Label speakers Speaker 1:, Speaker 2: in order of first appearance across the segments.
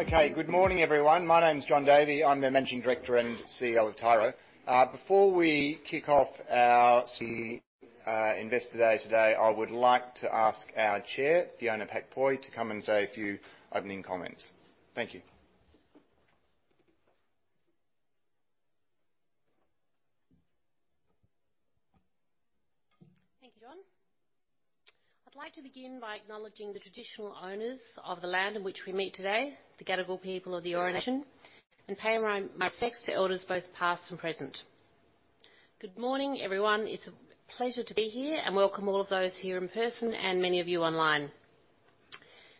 Speaker 1: Okay, good morning, everyone. My name is Jon Davey. I'm the Managing Director and CEO of Tyro. Before we kick off our Investor Day today, I would like to ask our chair, Fiona Pak-Poy, to come and say a few opening comments. Thank you.
Speaker 2: Thank you, Jon. I'd like to begin by acknowledging the traditional owners of the land in which we meet today, the Gadigal people of the Eora Nation, and pay my respects to elders, both past and present. Good morning, everyone. It's a pleasure to be here and welcome all of those here in person and many of you online.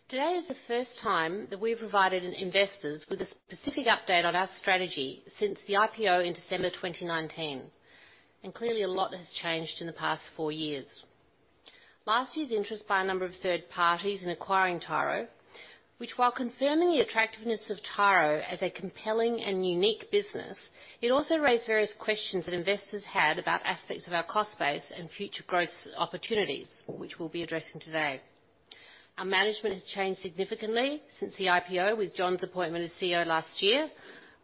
Speaker 2: Today is the first time that we've provided investors with a specific update on our strategy since the IPO in December 2019, and clearly, a lot has changed in the past four years. Last year's interest by a number of third parties in acquiring Tyro, which while confirming the attractiveness of Tyro as a compelling and unique business, it also raised various questions that investors had about aspects of our cost base and future growth opportunities, which we'll be addressing today. Our management has changed significantly since the IPO, with Jon's appointment as CEO last year,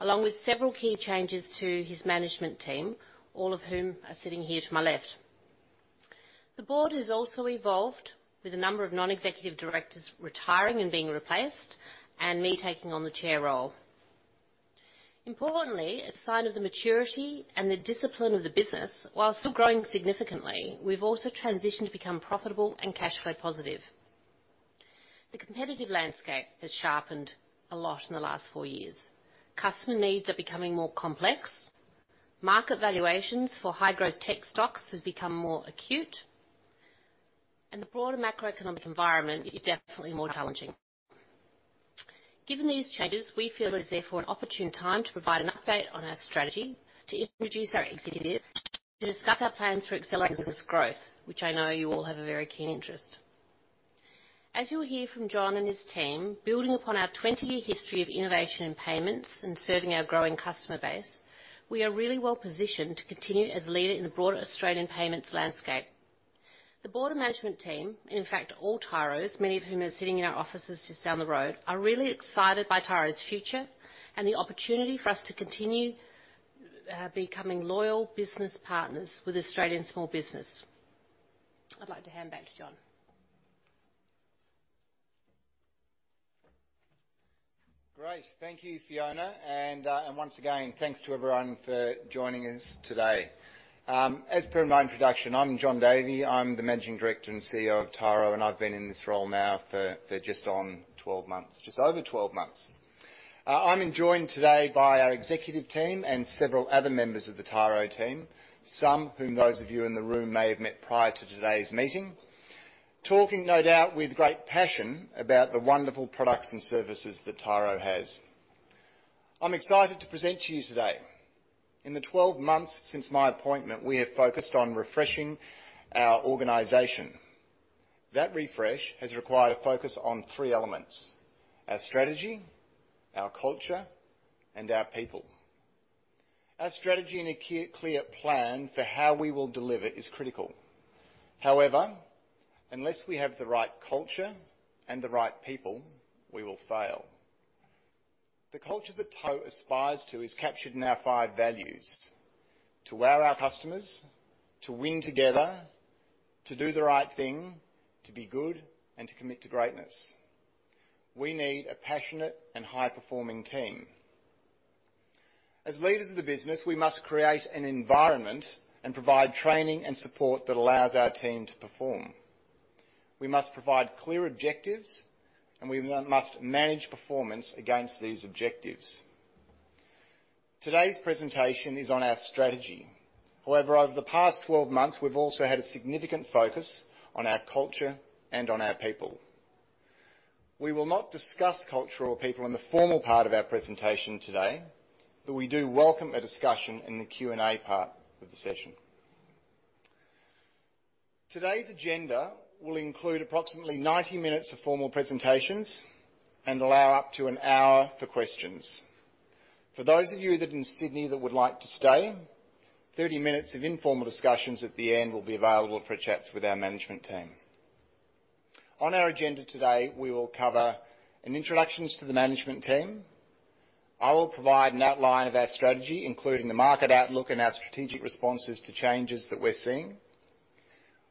Speaker 2: along with several key changes to his management team, all of whom are sitting here to my left. The board has also evolved, with a number of non-executive directors retiring and being replaced, and me taking on the chair role. Importantly, a sign of the maturity and the discipline of the business, while still growing significantly, we've also transitioned to become profitable and cash flow positive. The competitive landscape has sharpened a lot in the last four years. Customer needs are becoming more complex, market valuations for high-growth tech stocks has become more acute, and the broader macroeconomic environment is definitely more challenging. Given these changes, we feel it is therefore an opportune time to provide an update on our strategy, to introduce our executives, to discuss our plans for accelerating business growth, which I know you all have a very keen interest. As you'll hear from Jon and his team, building upon our 20-year history of innovation in payments and serving our growing customer base, we are really well positioned to continue as a leader in the broader Australian payments landscape. The board and management team, in fact, all Tyros, many of whom are sitting in our offices just down the road, are really excited by Tyro's future and the opportunity for us to continue becoming loyal business partners with Australian small business. I'd like to hand back to Jon.
Speaker 1: Great. Thank you, Fiona, and once again, thanks to everyone for joining us today. As per my introduction, I'm Jon Davey. I'm the Managing Director and CEO of Tyro, and I've been in this role now for just on 12 months, just over 12 months. I'm joined today by our executive team and several other members of the Tyro team, some whom those of you in the room may have met prior to today's meeting. Talking, no doubt, with great passion about the wonderful products and services that Tyro has. I'm excited to present to you today. In the 12 months since my appointment, we have focused on refreshing our organization. That refresh has required a focus on 3 elements: our strategy, our culture, and our people. Our strategy and a clear plan for how we will deliver is critical. However, unless we have the right culture and the right people, we will fail. The culture that Tyro aspires to is captured in our five values: to wow our customers, to win together, to do the right thing, to be good, and to commit to greatness. We need a passionate and high-performing team. As leaders of the business, we must create an environment and provide training and support that allows our team to perform. We must provide clear objectives, and we must manage performance against these objectives. Today's presentation is on our strategy. However, over the past 12 months, we've also had a significant focus on our culture and on our people. We will not discuss culture or people in the formal part of our presentation today, but we do welcome a discussion in the Q&A part of the session. Today's agenda will include approximately 90 minutes of formal presentations and allow up to an hour for questions. For those of you that are in Sydney that would like to stay, 30 minutes of informal discussions at the end will be available for chats with our management team. On our agenda today, we will cover an introduction to the management team. I will provide an outline of our strategy, including the market outlook and our strategic responses to changes that we're seeing.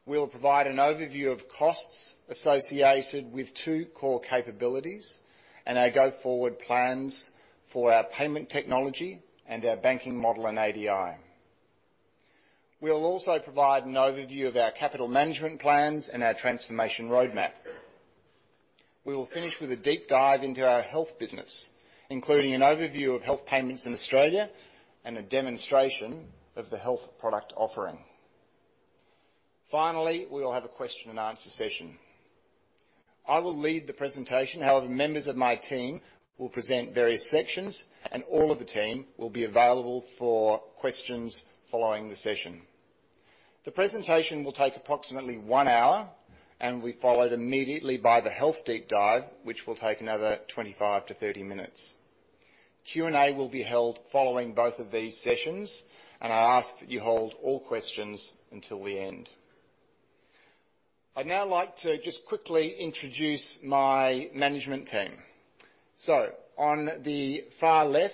Speaker 1: We'll provide an overview of costs associated with two core capabilities and our go-forward plans for our payment technology and our banking model and ADI. We'll also provide an overview of our capital management plans and our transformation roadmap. We will finish with a deep dive into our health business, including an overview of health payments in Australia and a demonstration of the health product offering. Finally, we will have a question and answer session. I will lead the presentation, however, members of my team will present various sections, and all of the team will be available for questions following the session. The presentation will take approximately one hour, and will be followed immediately by the Health deep dive, which will take another 25-30 minutes. Q&A will be held following both of these sessions, and I ask that you hold all questions until the end. I'd now like to just quickly introduce my management team. So on the far left,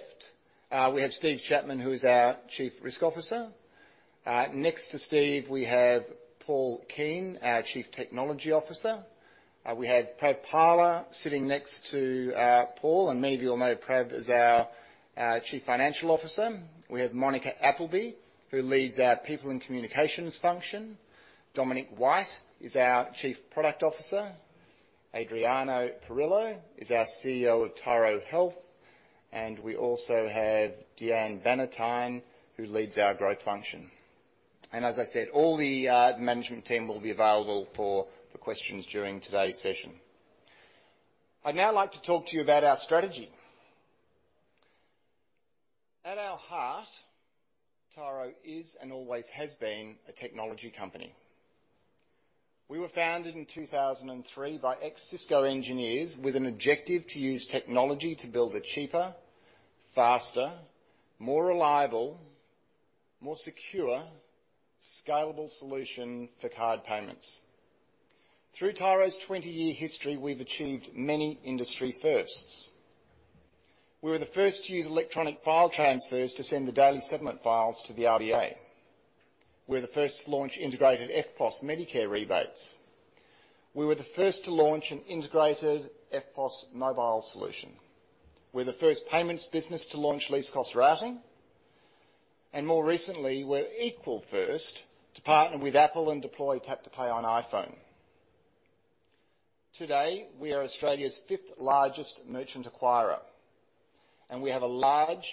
Speaker 1: we have Steve Chapman, who is our Chief Risk Officer. Next to Steve, we have Paul Keen, our Chief Technology Officer. We have Prav Pala sitting next to Paul, and many of you all know Prav is our Chief Financial Officer. We have Monica Appleby, who leads our People and Communications function. Dominic White is our Chief Product Officer. Adrian Perillo is our CEO of Tyro Health, and we also have Deanne Bannatyne, who leads our Growth function. And as I said, all the management team will be available for questions during today's session. I'd now like to talk to you about our strategy. At our heart, Tyro is, and always has been, a technology company. We were founded in 2003 by ex-Cisco engineers with an objective to use technology to build a cheaper, faster, more reliable, more secure, scalable solution for card payments. Through Tyro's 20-year history, we've achieved many industry firsts. We were the first to use electronic file transfers to send the daily settlement files to the RBA. We were the first to launch integrated EFTPOS Medicare rebates. We were the first to launch an integrated EFTPOS mobile solution. We're the first payments business to launch Least Cost Routing, and more recently, we're equal first to partner with Apple and deploy Tap to Pay on iPhone. Today, we are Australia's fifth largest merchant acquirer, and we have a large,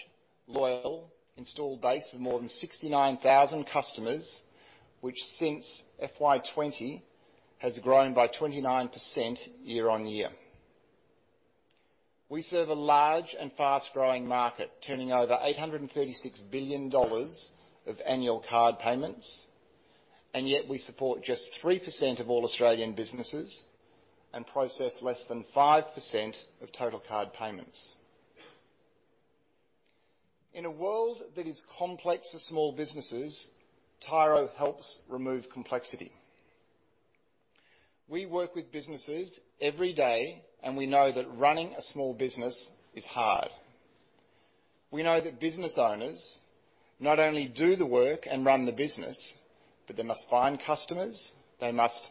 Speaker 1: loyal installed base of more than 69,000 customers, which since FY20, has grown by 29% year-on-year. We serve a large and fast-growing market, turning over 836 billion dollars of annual card payments, and yet we support just 3% of all Australian businesses and process less than 5% of total card payments. In a world that is complex for small businesses, Tyro helps remove complexity. We work with businesses every day, and we know that running a small business is hard. We know that business owners not only do the work and run the business, but they must find customers, they must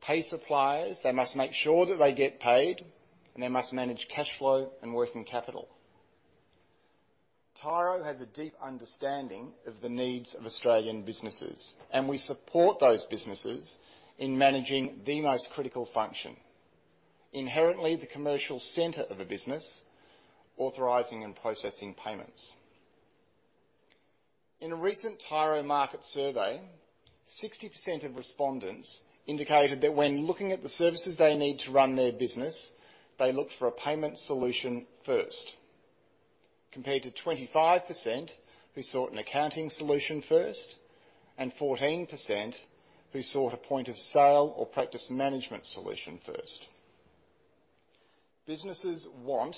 Speaker 1: pay suppliers, they must make sure that they get paid, and they must manage cash flow and working capital. Tyro has a deep understanding of the needs of Australian businesses, and we support those businesses in managing the most critical function, inherently the commercial center of a business, authorizing and processing payments. In a recent Tyro market survey, 60% of respondents indicated that when looking at the services they need to run their business, they look for a payment solution first, compared to 25% who sought an accounting solution first and 14% who sought a point-of-sale or practice management solution first. Businesses want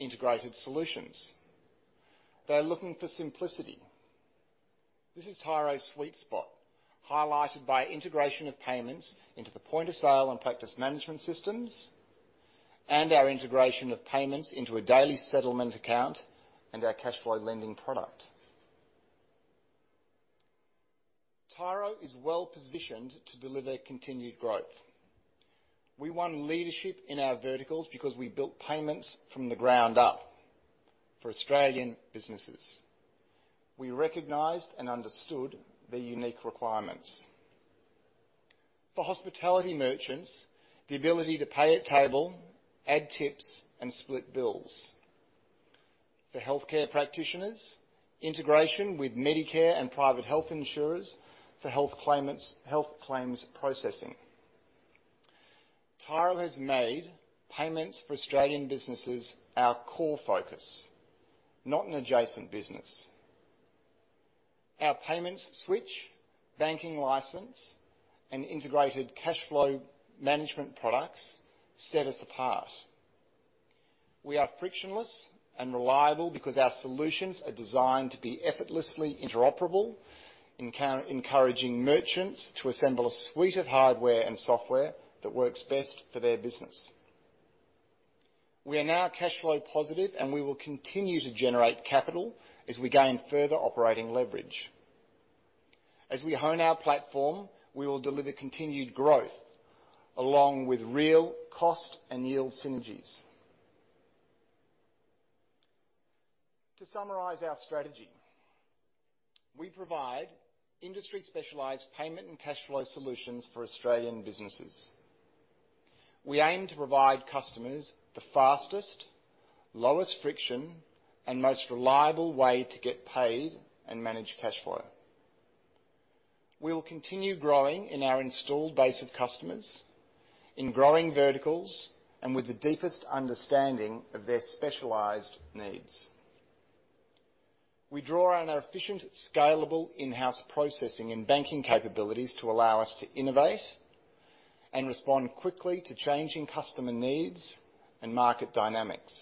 Speaker 1: integrated solutions. They're looking for simplicity. This is Tyro's sweet spot, highlighted by integration of payments into the point-of-sale and practice management systems, and our integration of payments into a daily settlement account and our cashflow lending product. Tyro is well-positioned to deliver continued growth. We won leadership in our verticals because we built payments from the ground up for Australian businesses. We recognized and understood their unique requirements. For hospitality merchants, the ability to pay at table, add tips, and split bills. For healthcare practitioners, integration with Medicare and private health insurers for health claimants, health claims processing. Tyro has made payments for Australian businesses our core focus, not an adjacent business. Our payments switch, banking license, and integrated cashflow management products set us apart. We are frictionless and reliable because our solutions are designed to be effortlessly interoperable, encouraging merchants to assemble a suite of hardware and software that works best for their business. We are now cashflow positive, and we will continue to generate capital as we gain further operating leverage. As we hone our platform, we will deliver continued growth, along with real cost and yield synergies. To summarize our strategy, we provide industry-specialized payment and cashflow solutions for Australian businesses. We aim to provide customers the fastest, lowest friction, and most reliable way to get paid and manage cash flow. We will continue growing in our installed base of customers, in growing verticals, and with the deepest understanding of their specialized needs. We draw on our efficient, scalable, in-house processing and banking capabilities to allow us to innovate and respond quickly to changing customer needs and market dynamics.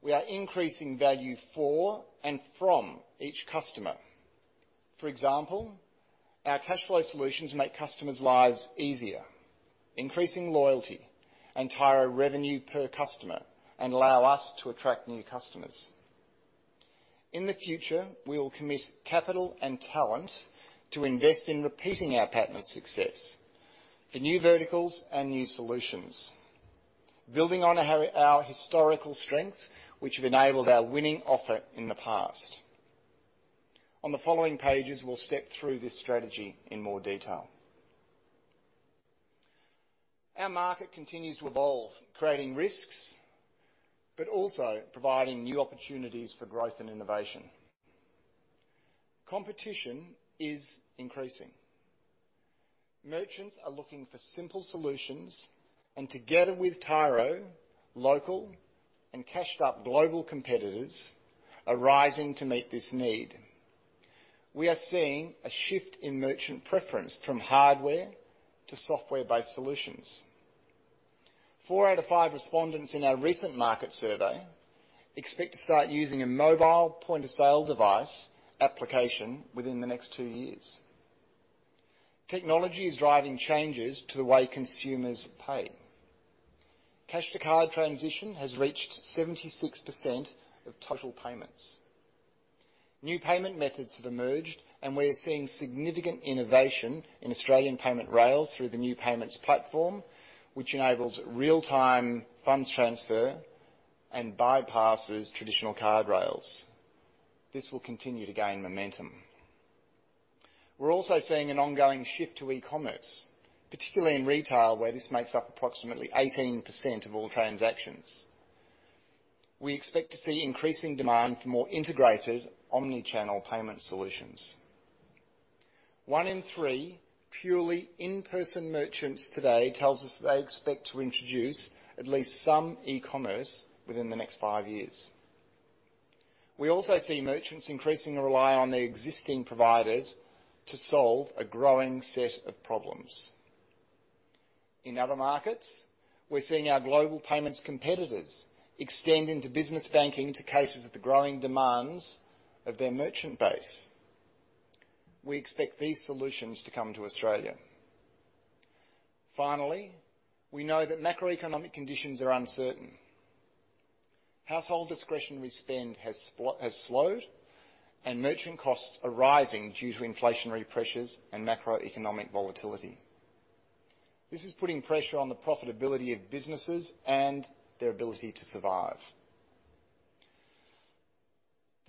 Speaker 1: We are increasing value for and from each customer. For example, our cash flow solutions make customers' lives easier, increasing loyalty and Tyro revenue per customer, and allow us to attract new customers. In the future, we will commit capital and talent to invest in repeating our pattern of success for new verticals and new solutions, building on our historical strengths, which have enabled our winning offer in the past. On the following pages, we'll step through this strategy in more detail. Our market continues to evolve, creating risks, but also providing new opportunities for growth and innovation. Competition is increasing. Merchants are looking for simple solutions, and together with Tyro, local and cashed-up global competitors are rising to meet this need. We are seeing a shift in merchant preference from hardware to software-based solutions. Four out of five respondents in our recent market survey expect to start using a mobile point-of-sale device application within the next two years. Technology is driving changes to the way consumers pay. Cash to card transition has reached 76% of total payments. New payment methods have emerged, and we are seeing significant innovation in Australian payment rails through the New Payments Platform, which enables real-time funds transfer and bypasses traditional card rails. This will continue to gain momentum. We're also seeing an ongoing shift to e-commerce, particularly in retail, where this makes up approximately 18% of all transactions. We expect to see increasing demand for more integrated omni-channel payment solutions. One in three purely in-person merchants today tells us they expect to introduce at least some e-commerce within the next five years. We also see merchants increasingly rely on their existing providers to solve a growing set of problems. In other markets, we're seeing our global payments competitors extend into business banking to cater to the growing demands of their merchant base. We expect these solutions to come to Australia. Finally, we know that macroeconomic conditions are uncertain. Household discretionary spend has slowed, and merchant costs are rising due to inflationary pressures and macroeconomic volatility. This is putting pressure on the profitability of businesses and their ability to survive.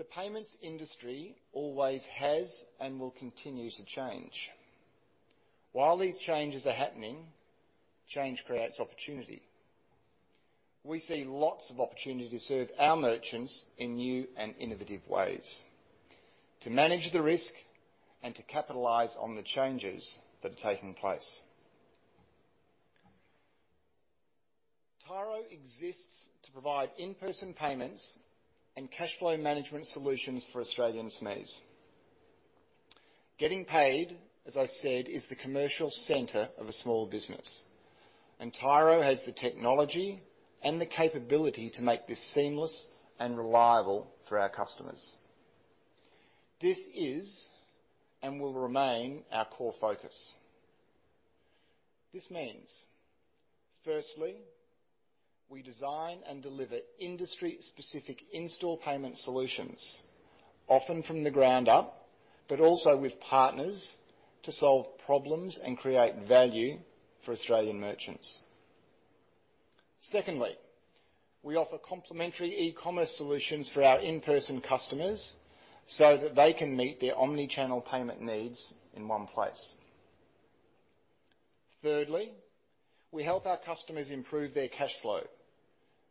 Speaker 1: The payments industry always has and will continue to change. While these changes are happening, change creates opportunity. We see lots of opportunity to serve our merchants in new and innovative ways, to manage the risk, and to capitalize on the changes that are taking place. Tyro exists to provide in-person payments and cash flow management solutions for Australian SMEs. Getting paid, as I said, is the commercial center of a small business, and Tyro has the technology and the capability to make this seamless and reliable for our customers. This is, and will remain, our core focus. This means, firstly, we design and deliver industry-specific in-store payment solutions, often from the ground up, but also with partners to solve problems and create value for Australian merchants. Secondly, we offer complimentary e-commerce solutions for our in-person customers so that they can meet their omni-channel payment needs in one place. Thirdly, we help our customers improve their cash flow,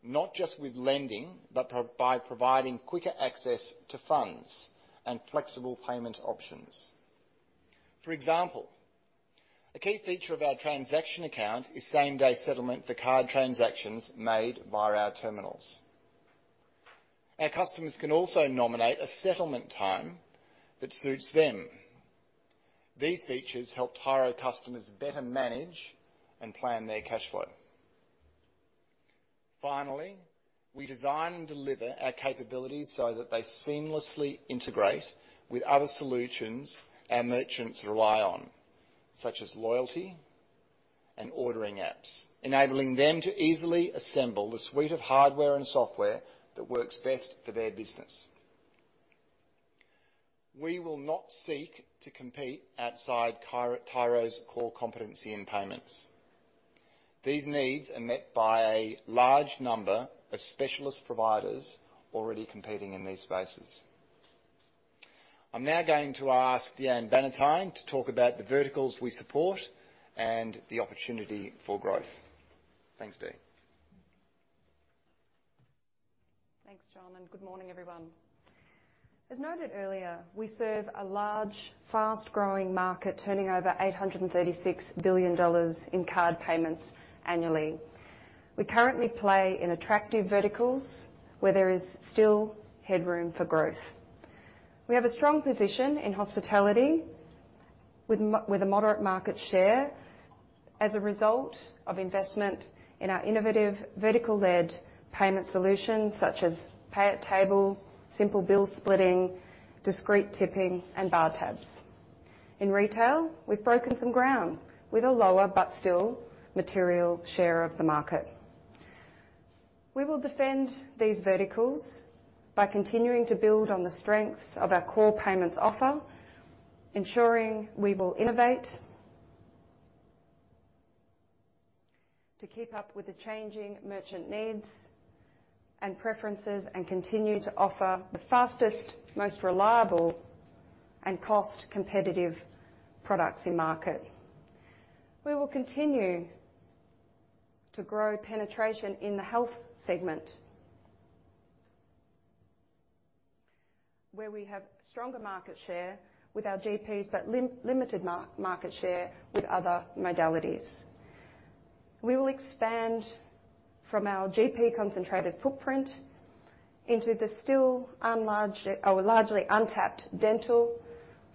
Speaker 1: not just with lending, but by providing quicker access to funds and flexible payment options. For example, a key feature of our transaction account is same-day settlement for card transactions made via our terminals. Our customers can also nominate a settlement time that suits them. These features help Tyro customers better manage and plan their cash flow. Finally, we design and deliver our capabilities so that they seamlessly integrate with other solutions our merchants rely on, such as loyalty and ordering apps, enabling them to easily assemble the suite of hardware and software that works best for their business. We will not seek to compete outside Tyro, Tyro's core competency in payments. These needs are met by a large number of specialist providers already competing in these spaces. I'm now going to ask Deanne Bannatyne to talk about the verticals we support and the opportunity for growth. Thanks, Dee.
Speaker 3: Thanks, Jon, and good morning, everyone. As noted earlier, we serve a large, fast-growing market, turning over 836 billion dollars in card payments annually. We currently play in attractive verticals where there is still headroom for growth. We have a strong position in hospitality with a moderate market share as a result of investment in our innovative, vertical-led payment solutions, such as Pay at Table, simple bill splitting, discrete tipping, and BarTabs. In retail, we've broken some ground with a lower but still material share of the market. We will defend these verticals by continuing to build on the strengths of our core payments offer, ensuring we will innovate to keep up with the changing merchant needs and preferences, and continue to offer the fastest, most reliable, and cost-competitive products in market. We will continue to grow penetration in the health segment, where we have stronger market share with our GPs, but limited market share with other modalities. We will expand from our GP-concentrated footprint into the still largely untapped dental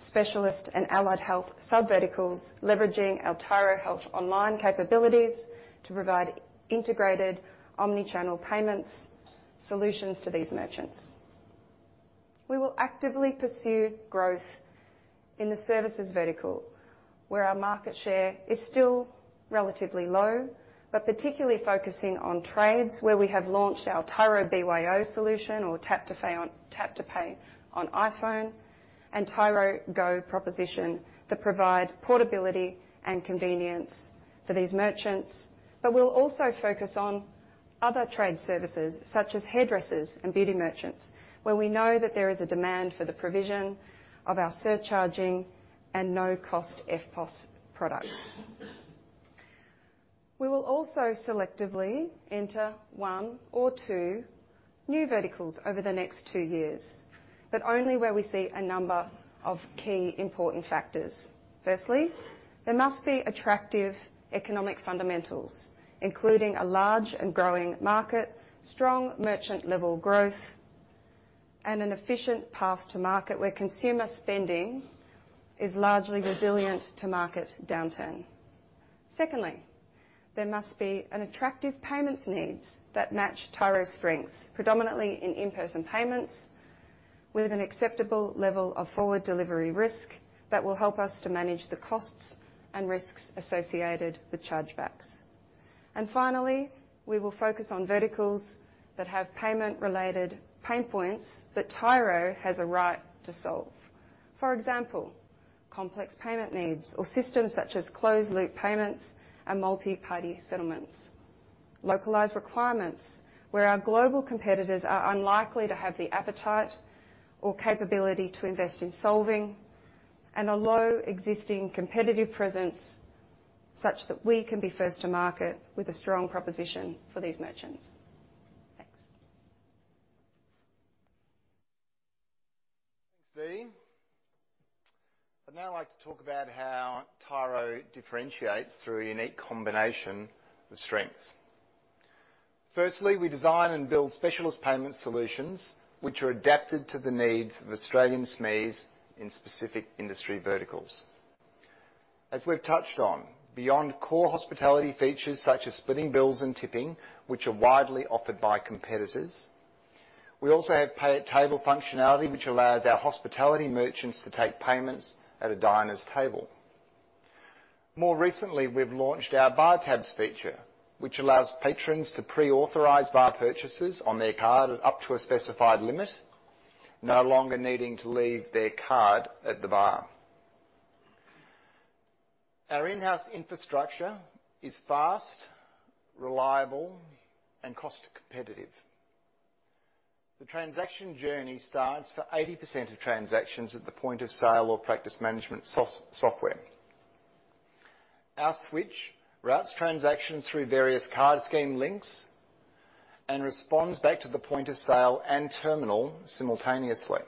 Speaker 3: specialists and allied health subverticals, leveraging our Tyro Health Online capabilities to provide integrated omni-channel payments solutions to these merchants. We will actively pursue growth in the services vertical, where our market share is still relatively low, but particularly focusing on trades, where we have launched our Tyro BYO solution or Tap to Pay on iPhone, and Tyro Go proposition to provide portability and convenience for these merchants. But we'll also focus on other trade services, such as hairdressers and beauty merchants, where we know that there is a demand for the provision of our surcharging and no-cost EFTPOS products. We will also selectively enter one or two new verticals over the next two years, but only where we see a number of key important factors. Firstly, there must be attractive economic fundamentals, including a large and growing market, strong merchant-level growth, and an efficient path to market, where consumer spending is largely resilient to market downturn. Secondly, there must be an attractive payments needs that match Tyro's strengths, predominantly in in-person payments, with an acceptable level of forward delivery risk that will help us to manage the costs and risks associated with chargebacks. Finally, we will focus on verticals that have payment-related pain points that Tyro has a right to solve. For example, complex payment needs or systems such as closed-loop payments and multi-party settlements. Localized requirements, where our global competitors are unlikely to have the appetite or capability to invest in solving, and a low existing competitive presence such that we can be first to market with a strong proposition for these merchants. Thanks.
Speaker 1: Thanks, Dee. I'd now like to talk about how Tyro differentiates through a unique combination of strengths. Firstly, we design and build specialist payment solutions, which are adapted to the needs of Australian SMEs in specific industry verticals. As we've touched on, beyond core hospitality features such as splitting bills and tipping, which are widely offered by competitors, we also have Pay at Table functionality, which allows our hospitality merchants to take payments at a diner's table. More recently, we've launched our Bar Tabs feature, which allows patrons to pre-authorize bar purchases on their card up to a specified limit, no longer needing to leave their card at the bar. Our in-house infrastructure is fast, reliable, and cost competitive. The transaction journey starts for 80% of transactions at the point of sale or practice management software. Our switch routes transactions through various card scheme links and responds back to the point of sale and terminal simultaneously.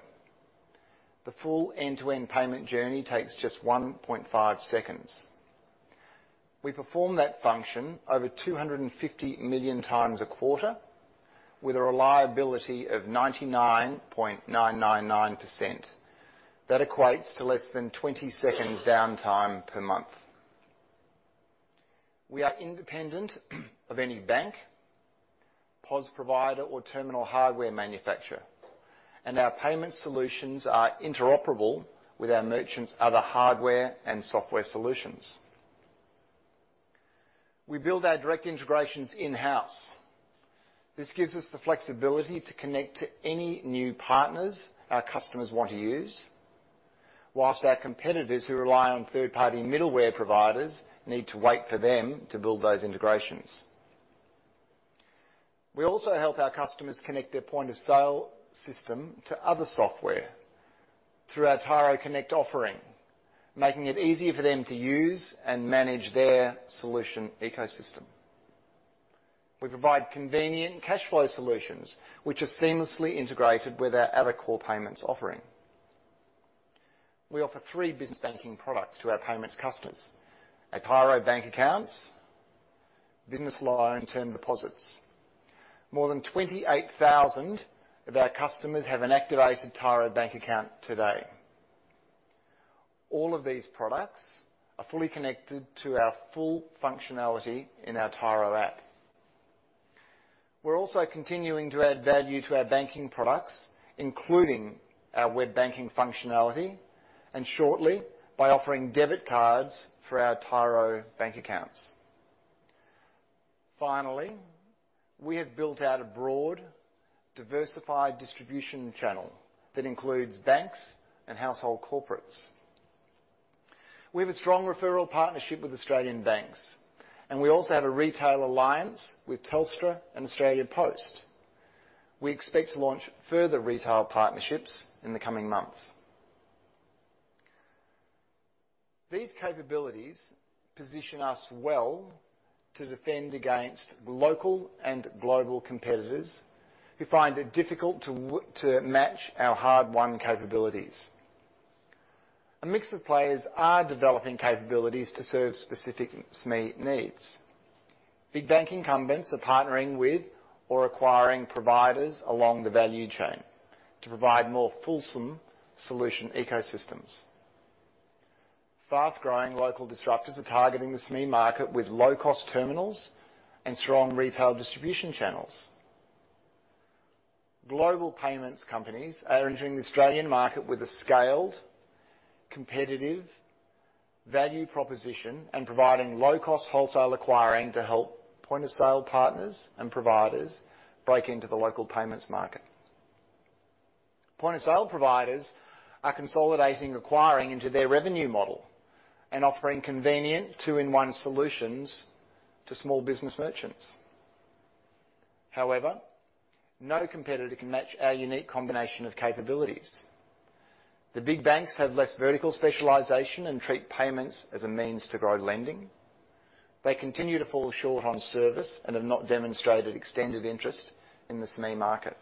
Speaker 1: The full end-to-end payment journey takes just 1.5 seconds. We perform that function over 250 million times a quarter, with a reliability of 99.999%. That equates to less than 20 seconds downtime per month. We are independent of any bank, POS provider, or terminal hardware manufacturer, and our payment solutions are interoperable with our merchants' other hardware and software solutions. We build our direct integrations in-house. This gives us the flexibility to connect to any new partners our customers want to use, whilst our competitors, who rely on third-party middleware providers, need to wait for them to build those integrations. We also help our customers connect their point-of-sale system to other software through our Tyro Connect offering, making it easier for them to use and manage their solution ecosystem. We provide convenient cash flow solutions, which are seamlessly integrated with our other core payments offering. We offer three business banking products to our payments customers: Tyro Bank Accounts, business loan, and term deposits. More than 28,000 of our customers have an activated Tyro Bank Account today. All of these products are fully connected to our full functionality in our Tyro App. We're also continuing to add value to our banking products, including our web banking functionality, and shortly, by offering debit cards for our Tyro Bank Accounts. Finally, we have built out a broad, diversified distribution channel that includes banks and household corporates. We have a strong referral partnership with Australian banks, and we also have a retail alliance with Telstra and Australia Post. We expect to launch further retail partnerships in the coming months. These capabilities position us well to defend against local and global competitors who find it difficult to match our hard-won capabilities. A mix of players are developing capabilities to serve specific SME needs. Big bank incumbents are partnering with or acquiring providers along the value chain to provide more fulsome solution ecosystems. Fast-growing local disruptors are targeting the SME market with low-cost terminals and strong retail distribution channels. Global payments companies are entering the Australian market with a scaled, competitive value proposition and providing low-cost wholesale acquiring to help point-of-sale partners and providers break into the local payments market. Point-of-sale providers are consolidating, acquiring into their revenue model and offering convenient two-in-one solutions to small business merchants. However, no competitor can match our unique combination of capabilities. The big banks have less vertical specialization and treat payments as a means to grow lending. They continue to fall short on service and have not demonstrated extended interest in the SME market.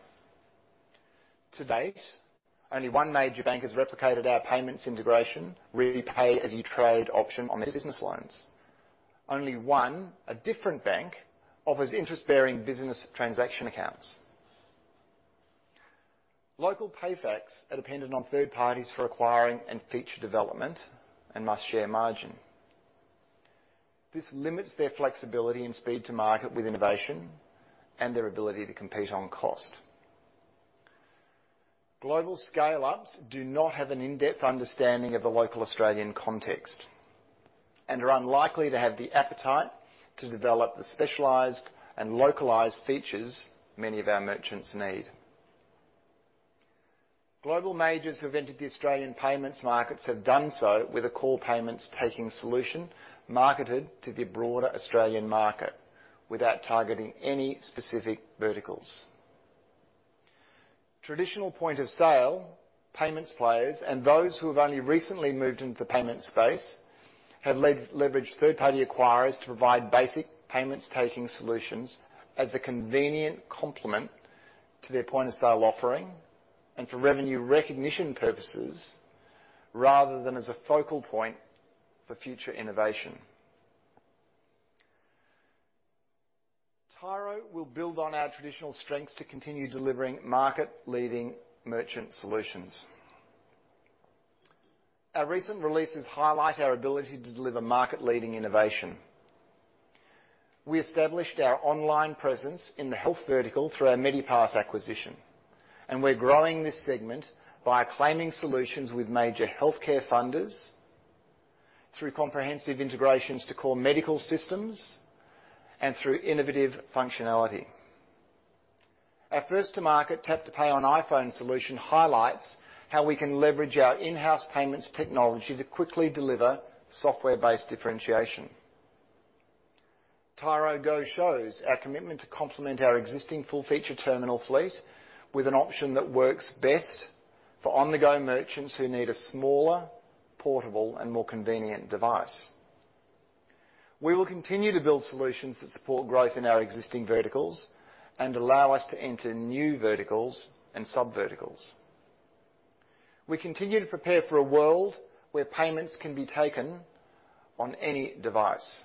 Speaker 1: To date, only one major bank has replicated our payments integration, Repay As You Trade option on the business loans. Only one, a different bank, offers interest-bearing business transaction accounts. Local PayFacs are dependent on third parties for acquiring and feature development, and must share margin. This limits their flexibility and speed to market with innovation and their ability to compete on cost. Global scale-ups do not have an in-depth understanding of the local Australian context and are unlikely to have the appetite to develop the specialized and localized features many of our merchants need. Global majors who have entered the Australian payments markets have done so with a core payments taking solution, marketed to the broader Australian market without targeting any specific verticals. Traditional point-of-sale payments players, and those who have only recently moved into the payment space, have leveraged third-party acquirers to provide basic payments taking solutions as a convenient complement to their point-of-sale offering and for revenue recognition purposes, rather than as a focal point for future innovation. Tyro will build on our traditional strengths to continue delivering market-leading merchant solutions. Our recent releases highlight our ability to deliver market-leading innovation. We established our online presence in the health vertical through our Medipass acquisition, and we're growing this segment by claiming solutions with major healthcare funders, through comprehensive integrations to core medical systems, and through innovative functionality. Our first-to-market, Tap to Pay on iPhone solution, highlights how we can leverage our in-house payments technology to quickly deliver software-based differentiation. Tyro Go shows our commitment to complement our existing full-featured terminal fleet with an option that works best for on-the-go merchants who need a smaller, portable, and more convenient device. We will continue to build solutions that support growth in our existing verticals and allow us to enter new verticals and sub-verticals. We continue to prepare for a world where payments can be taken on any device.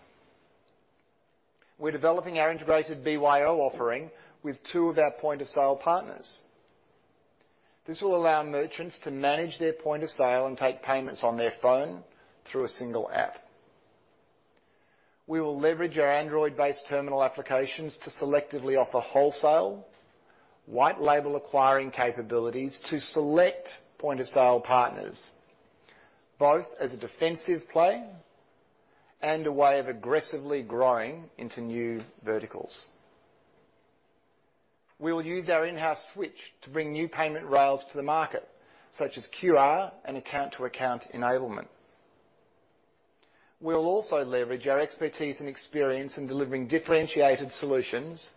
Speaker 1: We're developing our integrated BYO offering with two of our point of sale partners. This will allow merchants to manage their point of sale and take payments on their phone through a single app. We will leverage our Android-based terminal applications to selectively offer wholesale, white label acquiring capabilities to select point-of-sale partners, both as a defensive play and a way of aggressively growing into new verticals. We will use our in-house switch to bring new payment rails to the market, such as QR and account-to-account enablement. We'll also leverage our expertise and experience in delivering differentiated solutions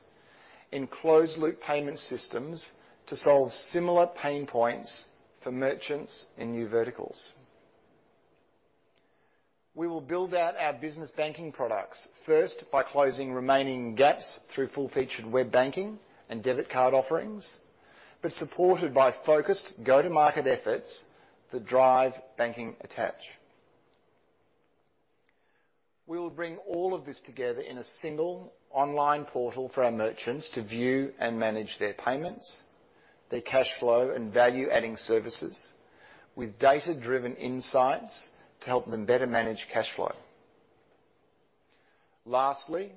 Speaker 1: in closed-loop payment systems to solve similar pain points for merchants in new verticals. We will build out our business banking products, first, by closing remaining gaps through full-featured web banking and debit card offerings, but supported by focused go-to-market efforts that drive banking attach. We will bring all of this together in a single online portal for our merchants to view and manage their payments, their cash flow, and value-adding services, with data-driven insights to help them better manage cash flow. Lastly,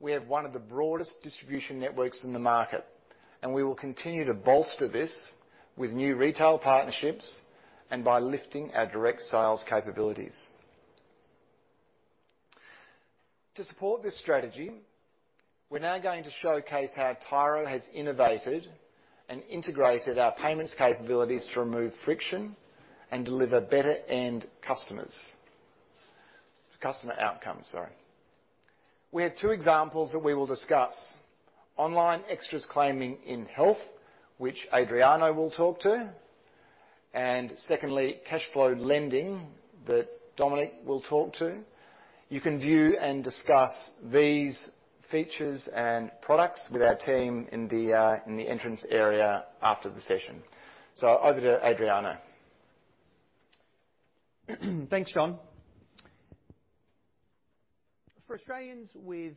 Speaker 1: we have one of the broadest distribution networks in the market, and we will continue to bolster this with new retail partnerships and by lifting our direct sales capabilities. To support this strategy, we're now going to showcase how Tyro has innovated and integrated our payments capabilities to remove friction and deliver better end customers. Customer outcomes, sorry. We have two examples that we will discuss: Online Extras Claiming in health, which Adrian will talk to, and secondly, cash flow lending, that Dominic will talk to. You can view and discuss these features and products with our team in the entrance area after the session. So over to Adrian.
Speaker 4: Thanks, Jon. For Australians with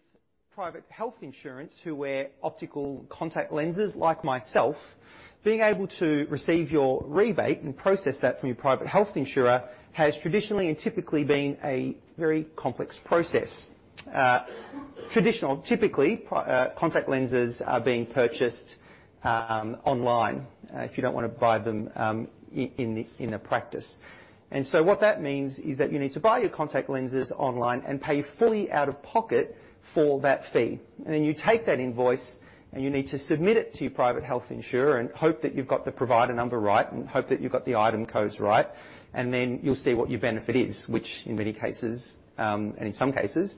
Speaker 4: private health insurance who wear optical contact lenses, like myself, being able to receive your rebate and process that from your private health insurer, has traditionally and typically been a very complex process. Traditional, typically, contact lenses are being purchased online, if you don't want to buy them in a practice. And so what that means is that you need to buy your contact lenses online and pay fully out of pocket for that fee. Then you take that invoice, and you need to submit it to your private health insurer and hope that you've got the provider number right, and hope that you've got the item codes right, and then you'll see what your benefit is, which in many cases, and in some cases,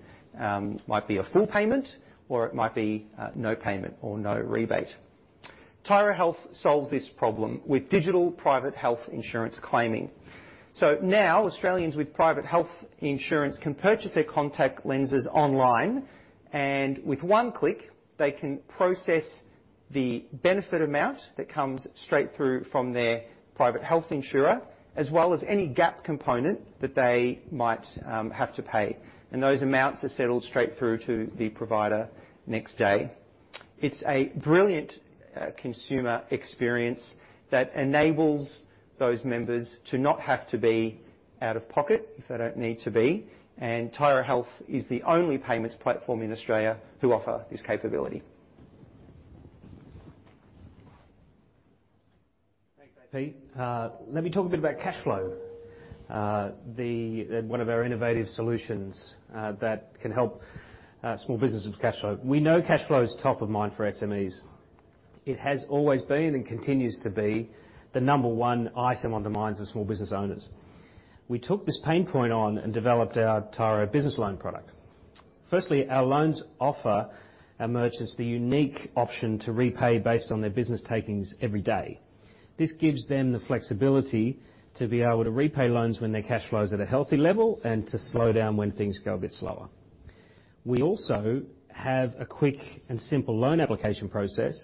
Speaker 4: might be a full payment, or it might be, no payment or no rebate. Tyro Health solves this problem with digital private health insurance claiming. So now, Australians with private health insurance can purchase their contact lenses online, and with one click, they can process the benefit amount that comes straight through from their private health insurer, as well as any gap component that they might, have to pay. And those amounts are settled straight through to the provider next day. It's a brilliant consumer experience that enables those members to not have to be out of pocket if they don't need to be, and Tyro Health is the only payments platform in Australia who offer this capability.
Speaker 5: Thanks, AP. Let me talk a bit about cashflow. One of our innovative solutions that can help small businesses with cashflow. We know cashflow is top of mind for SMEs. It has always been, and continues to be, the number one item on the minds of small business owners. We took this pain point on and developed our Tyro Business Loan product. Firstly, our loans offer our merchants the unique option to repay based on their business takings every day. This gives them the flexibility to be able to repay loans when their cashflow is at a healthy level and to slow down when things go a bit slower. We also have a quick and simple loan application process,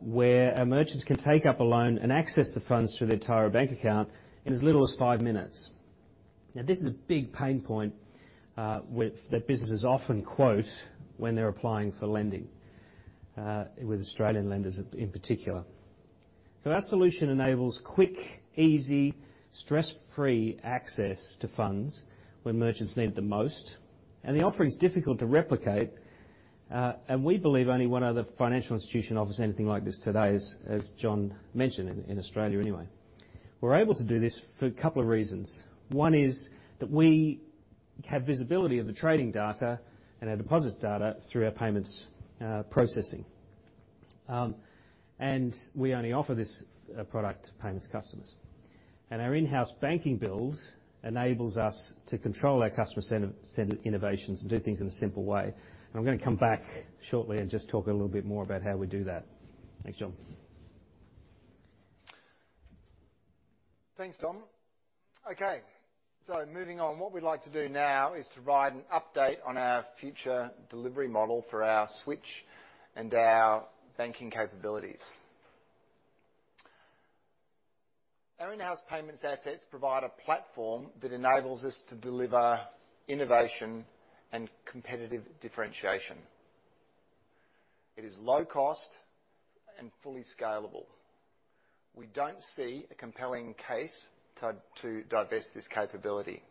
Speaker 5: where our merchants can take up a loan and access the funds through their Tyro Bank Account in as little as five minutes. Now, this is a big pain point with that businesses often quote when they're applying for lending with Australian lenders in particular. So our solution enables quick, easy, stress-free access to funds when merchants need it the most, and the offering is difficult to replicate, and we believe only one other financial institution offers anything like this today, as Jon mentioned, in Australia anyway. We're able to do this for a couple of reasons. One is that we have visibility of the trading data and our deposits data through our payments processing. And we only offer this product to payments customers. And our in-house banking build enables us to control our customer center innovations and do things in a simple way. And I'm gonna come back shortly and just talk a little bit more about how we do that. Thanks, Jon.
Speaker 1: Thanks, Dom. Okay, so moving on. What we'd like to do now is provide an update on our future delivery model for our switch and our banking capabilities. Our in-house payments assets provide a platform that enables us to deliver innovation and competitive differentiation. It is low cost and fully scalable. We don't see a compelling case to divest this capability.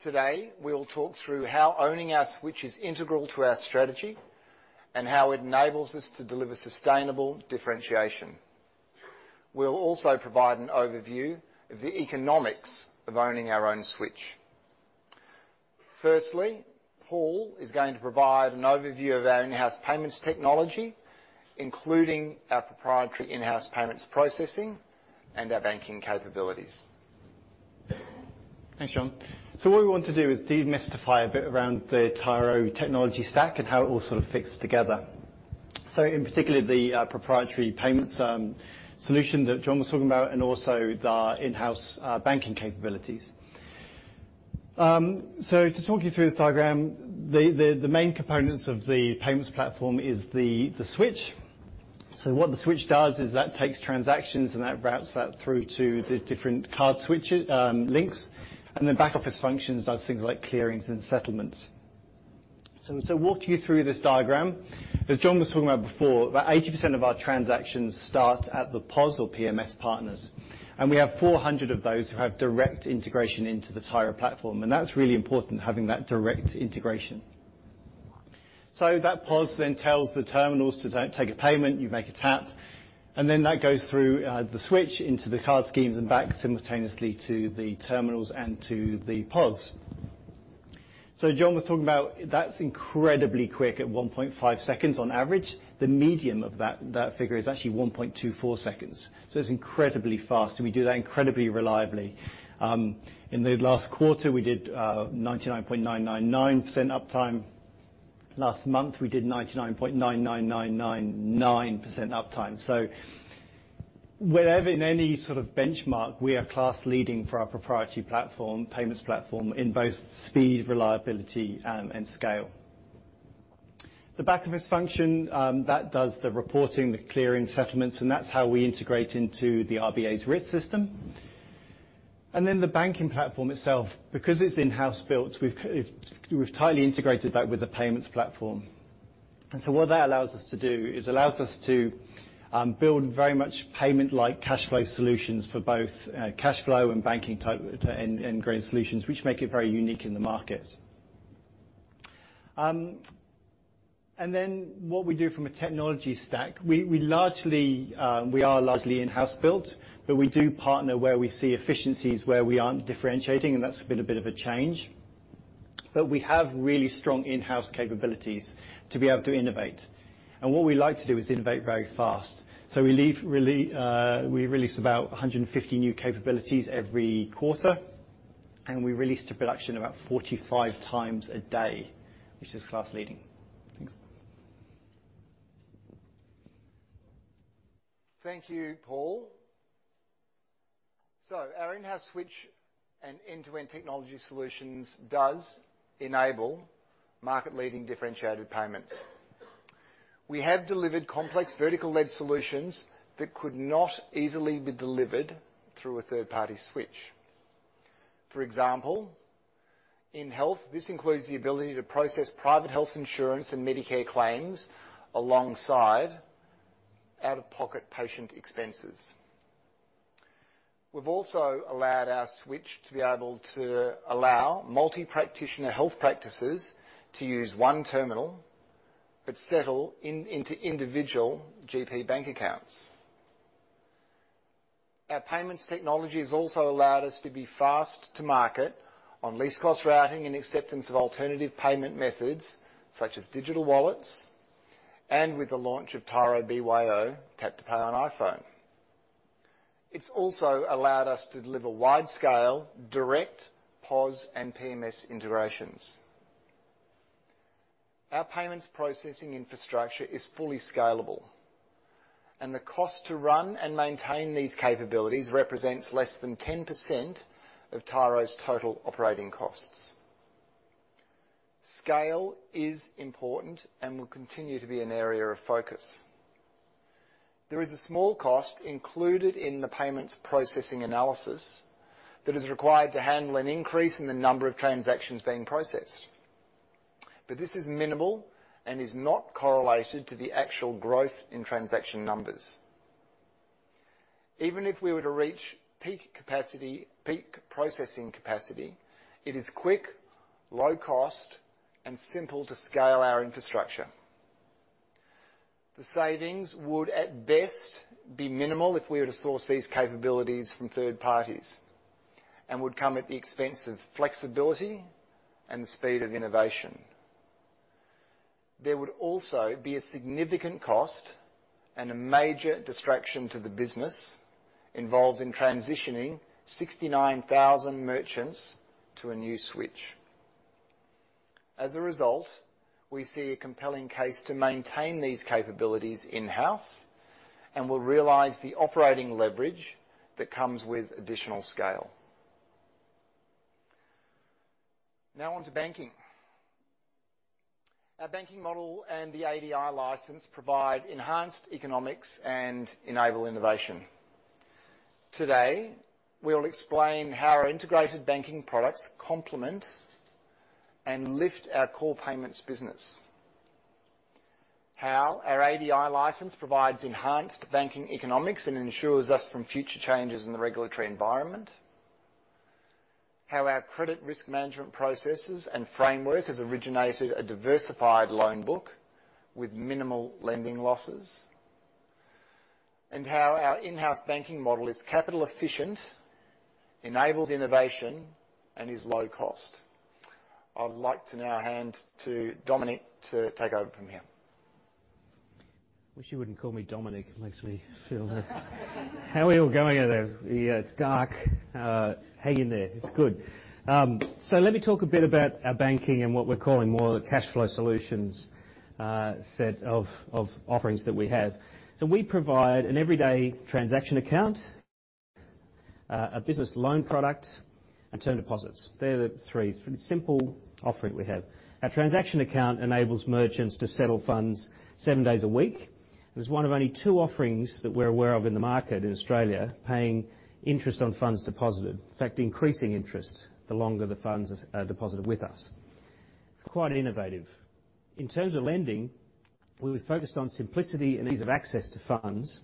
Speaker 1: Today, we'll talk through how owning our switch is integral to our strategy, and how it enables us to deliver sustainable differentiation. We'll also provide an overview of the economics of owning our own switch. Firstly, Paul is going to provide an overview of our in-house payments technology, including our proprietary in-house payments processing and our banking capabilities.
Speaker 6: Thanks, Jon. So what we want to do is demystify a bit around the Tyro technology stack and how it all sort of fits together. So in particular, the proprietary payments solution that Jon was talking about, and also the in-house banking capabilities. So to talk you through this diagram, the main components of the payments platform is the switch. So what the switch does is that takes transactions, and that routes that through to the different card switches, links, and then back-office functions, does things like clearings and settlements. So walk you through this diagram. As Jon was talking about before, about 80% of our transactions start at the POS or PMS partners, and we have 400 of those who have direct integration into the Tyro platform, and that's really important, having that direct integration. So that POS then tells the terminals to take a payment, you make a tap, and then that goes through the switch into the card schemes and back simultaneously to the terminals and to the POS. So Jon was talking about that's incredibly quick, at 1.5 seconds on average. The median of that figure is actually 1.24 seconds, so it's incredibly fast, and we do that incredibly reliably. In the last quarter, we did 99.999% uptime. Last month, we did 99.99999% uptime. So wherever, in any sort of benchmark, we are class-leading for our proprietary payments platform in both speed, reliability, and scale. The back-office function that does the reporting, the clearing, settlements, and that's how we integrate into the RBA's RITS system. The banking platform itself, because it's in-house built, we've tightly integrated that with the payments platform. And so what that allows us to do is allows us to build very much payment-like cash flow solutions for both cash flow and banking type end-end grade solutions, which make it very unique in the market. And then what we do from a technology stack, we largely we are largely in-house built, but we do partner where we see efficiencies, where we aren't differentiating, and that's been a bit of a change. But we have really strong in-house capabilities to be able to innovate, and what we like to do is innovate very fast. So we release about 150 new capabilities every quarter, and we release to production about 45 times a day, which is class-leading. Thanks.
Speaker 1: Thank you, Paul. So our in-house switch and end-to-end technology solutions does enable market-leading differentiated payments. We have delivered complex, vertical-led solutions that could not easily be delivered through a third-party switch. For example, in health, this includes the ability to process private health insurance and Medicare claims alongside out-of-pocket patient expenses. We've also allowed our switch to be able to allow multi-practitioner health practices to use one terminal but settle in, into individual GP bank accounts. Our payments technology has also allowed us to be fast to market on Least Cost Routing and acceptance of alternative payment methods, such as digital wallets, and with the launch of Tyro BYO, Tap to Pay on iPhone. It's also allowed us to deliver wide-scale, direct POS and PMS integrations. Our payments processing infrastructure is fully scalable, and the cost to run and maintain these capabilities represents less than 10% of Tyro's total operating costs. Scale is important and will continue to be an area of focus. There is a small cost included in the payments processing analysis that is required to handle an increase in the number of transactions being processed, but this is minimal and is not correlated to the actual growth in transaction numbers. Even if we were to reach peak capacity, peak processing capacity, it is quick, low cost, and simple to scale our infrastructure. The savings would, at best, be minimal if we were to source these capabilities from third parties and would come at the expense of flexibility and the speed of innovation. There would also be a significant cost and a major distraction to the business involved in transitioning 69,000 merchants to a new switch. As a result, we see a compelling case to maintain these capabilities in-house and will realize the operating leverage that comes with additional scale. Now on to banking. Our banking model and the ADI license provide enhanced economics and enable innovation. Today, we'll explain how our integrated banking products complement and lift our core payments business, how our ADI license provides enhanced banking economics and ensures us from future changes in the regulatory environment, how our credit risk management processes and framework has originated a diversified loan book with minimal lending losses, and how our in-house banking model is capital efficient, enables innovation, and is low cost. I'd like to now hand to Dominic to take over from here.
Speaker 5: Wish you wouldn't call me Dominic. It makes me feel. How are you all going out there? Yeah, it's dark. Hang in there. It's good. So let me talk a bit about our banking and what we're calling more the cash flow solutions set of offerings that we have. So we provide an everyday transaction account, a business loan product, and term deposits. They're the three simple offering we have. Our transaction account enables merchants to settle funds seven days a week. It is one of only two offerings that we're aware of in the market in Australia, paying interest on funds deposited. In fact, increasing interest, the longer the funds are deposited with us. It's quite innovative. In terms of lending, we were focused on simplicity and ease of access to funds,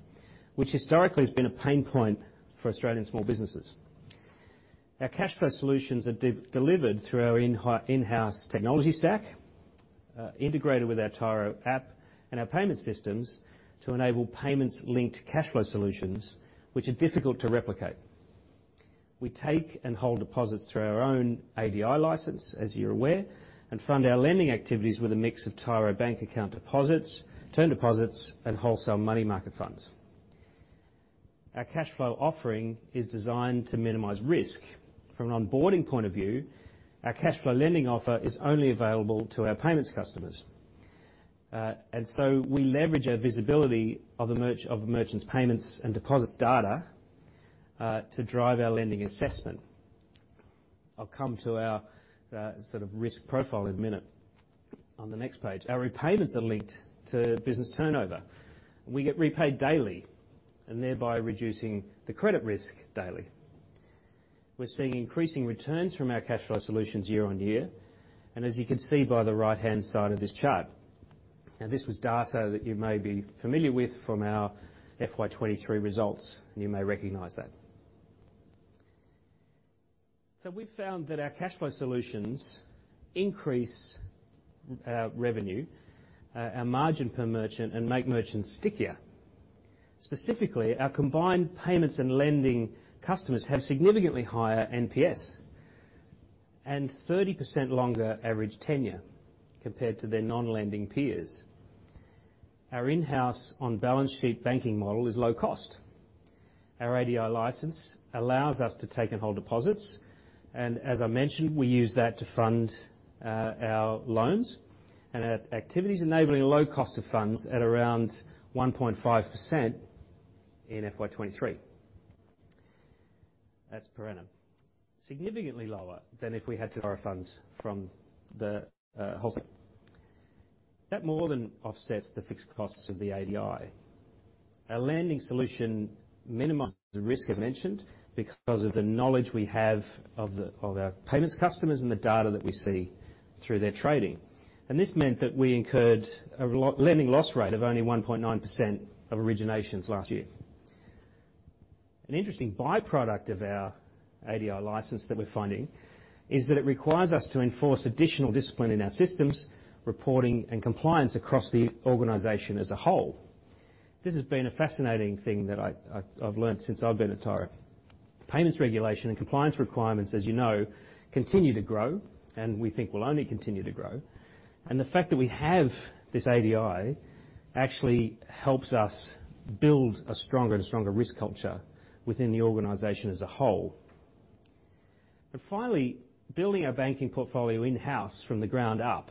Speaker 5: which historically has been a pain point for Australian small businesses. Our cash flow solutions are delivered through our in-house technology stack, integrated with our Tyro App and our payment systems to enable payments linked to cash flow solutions which are difficult to replicate. We take and hold deposits through our own ADI license, as you're aware, and fund our lending activities with a mix of Tyro Bank Account deposits, term deposits, and wholesale money market funds. Our cashflow offering is designed to minimize risk. From an onboarding point of view, our cashflow lending offer is only available to our payments customers. And so we leverage our visibility of a merchant's payments and deposits data to drive our lending assessment. I'll come to our sort of risk profile in a minute, on the next page. Our repayments are linked to business turnover. We get repaid daily, and thereby reducing the credit risk daily. We're seeing increasing returns from our cash flow solutions year on year, and as you can see by the right-hand side of this chart, and this was data that you may be familiar with from our FY23 results, and you may recognize that. So we've found that our cash flow solutions increase revenue, our margin per merchant, and make merchants stickier. Specifically, our combined payments and lending customers have significantly higher NPS, and 30% longer average tenure compared to their non-lending peers. Our in-house, on-balance sheet banking model is low cost. Our ADI license allows us to take and hold deposits, and as I mentioned, we use that to fund our loans and our activities, enabling a low cost of funds at around 1.5% in FY23. That's per annum. Significantly lower than if we had to borrow funds from the wholesale. That more than offsets the fixed costs of the ADI. Our lending solution minimizes the risk, as mentioned, because of the knowledge we have of the, of our payments customers and the data that we see through their trading. And this meant that we incurred a lending loss rate of only 1.9% of originations last year. An interesting byproduct of our ADI license that we're finding, is that it requires us to enforce additional discipline in our systems, reporting, and compliance across the organization as a whole. This has been a fascinating thing that I, I, I've learned since I've been at Tyro. Payments regulation and compliance requirements, as you know, continue to grow, and we think will only continue to grow, and the fact that we have this ADI actually helps us build a stronger and stronger risk culture within the organization as a whole. Finally, building our banking portfolio in-house from the ground up,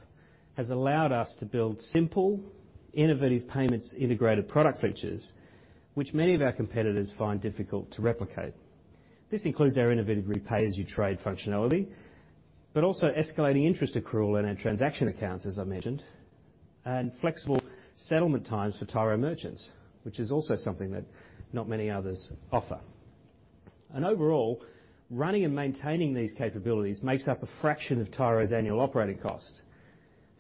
Speaker 5: has allowed us to build simple, innovative payments, integrated product features, which many of our competitors find difficult to replicate. This includes our innovative Repay As You Trade functionality, but also escalating interest accrual in our transaction accounts, as I mentioned, and flexible settlement times for Tyro merchants, which is also something that not many others offer. Overall, running and maintaining these capabilities makes up a fraction of Tyro's annual operating cost.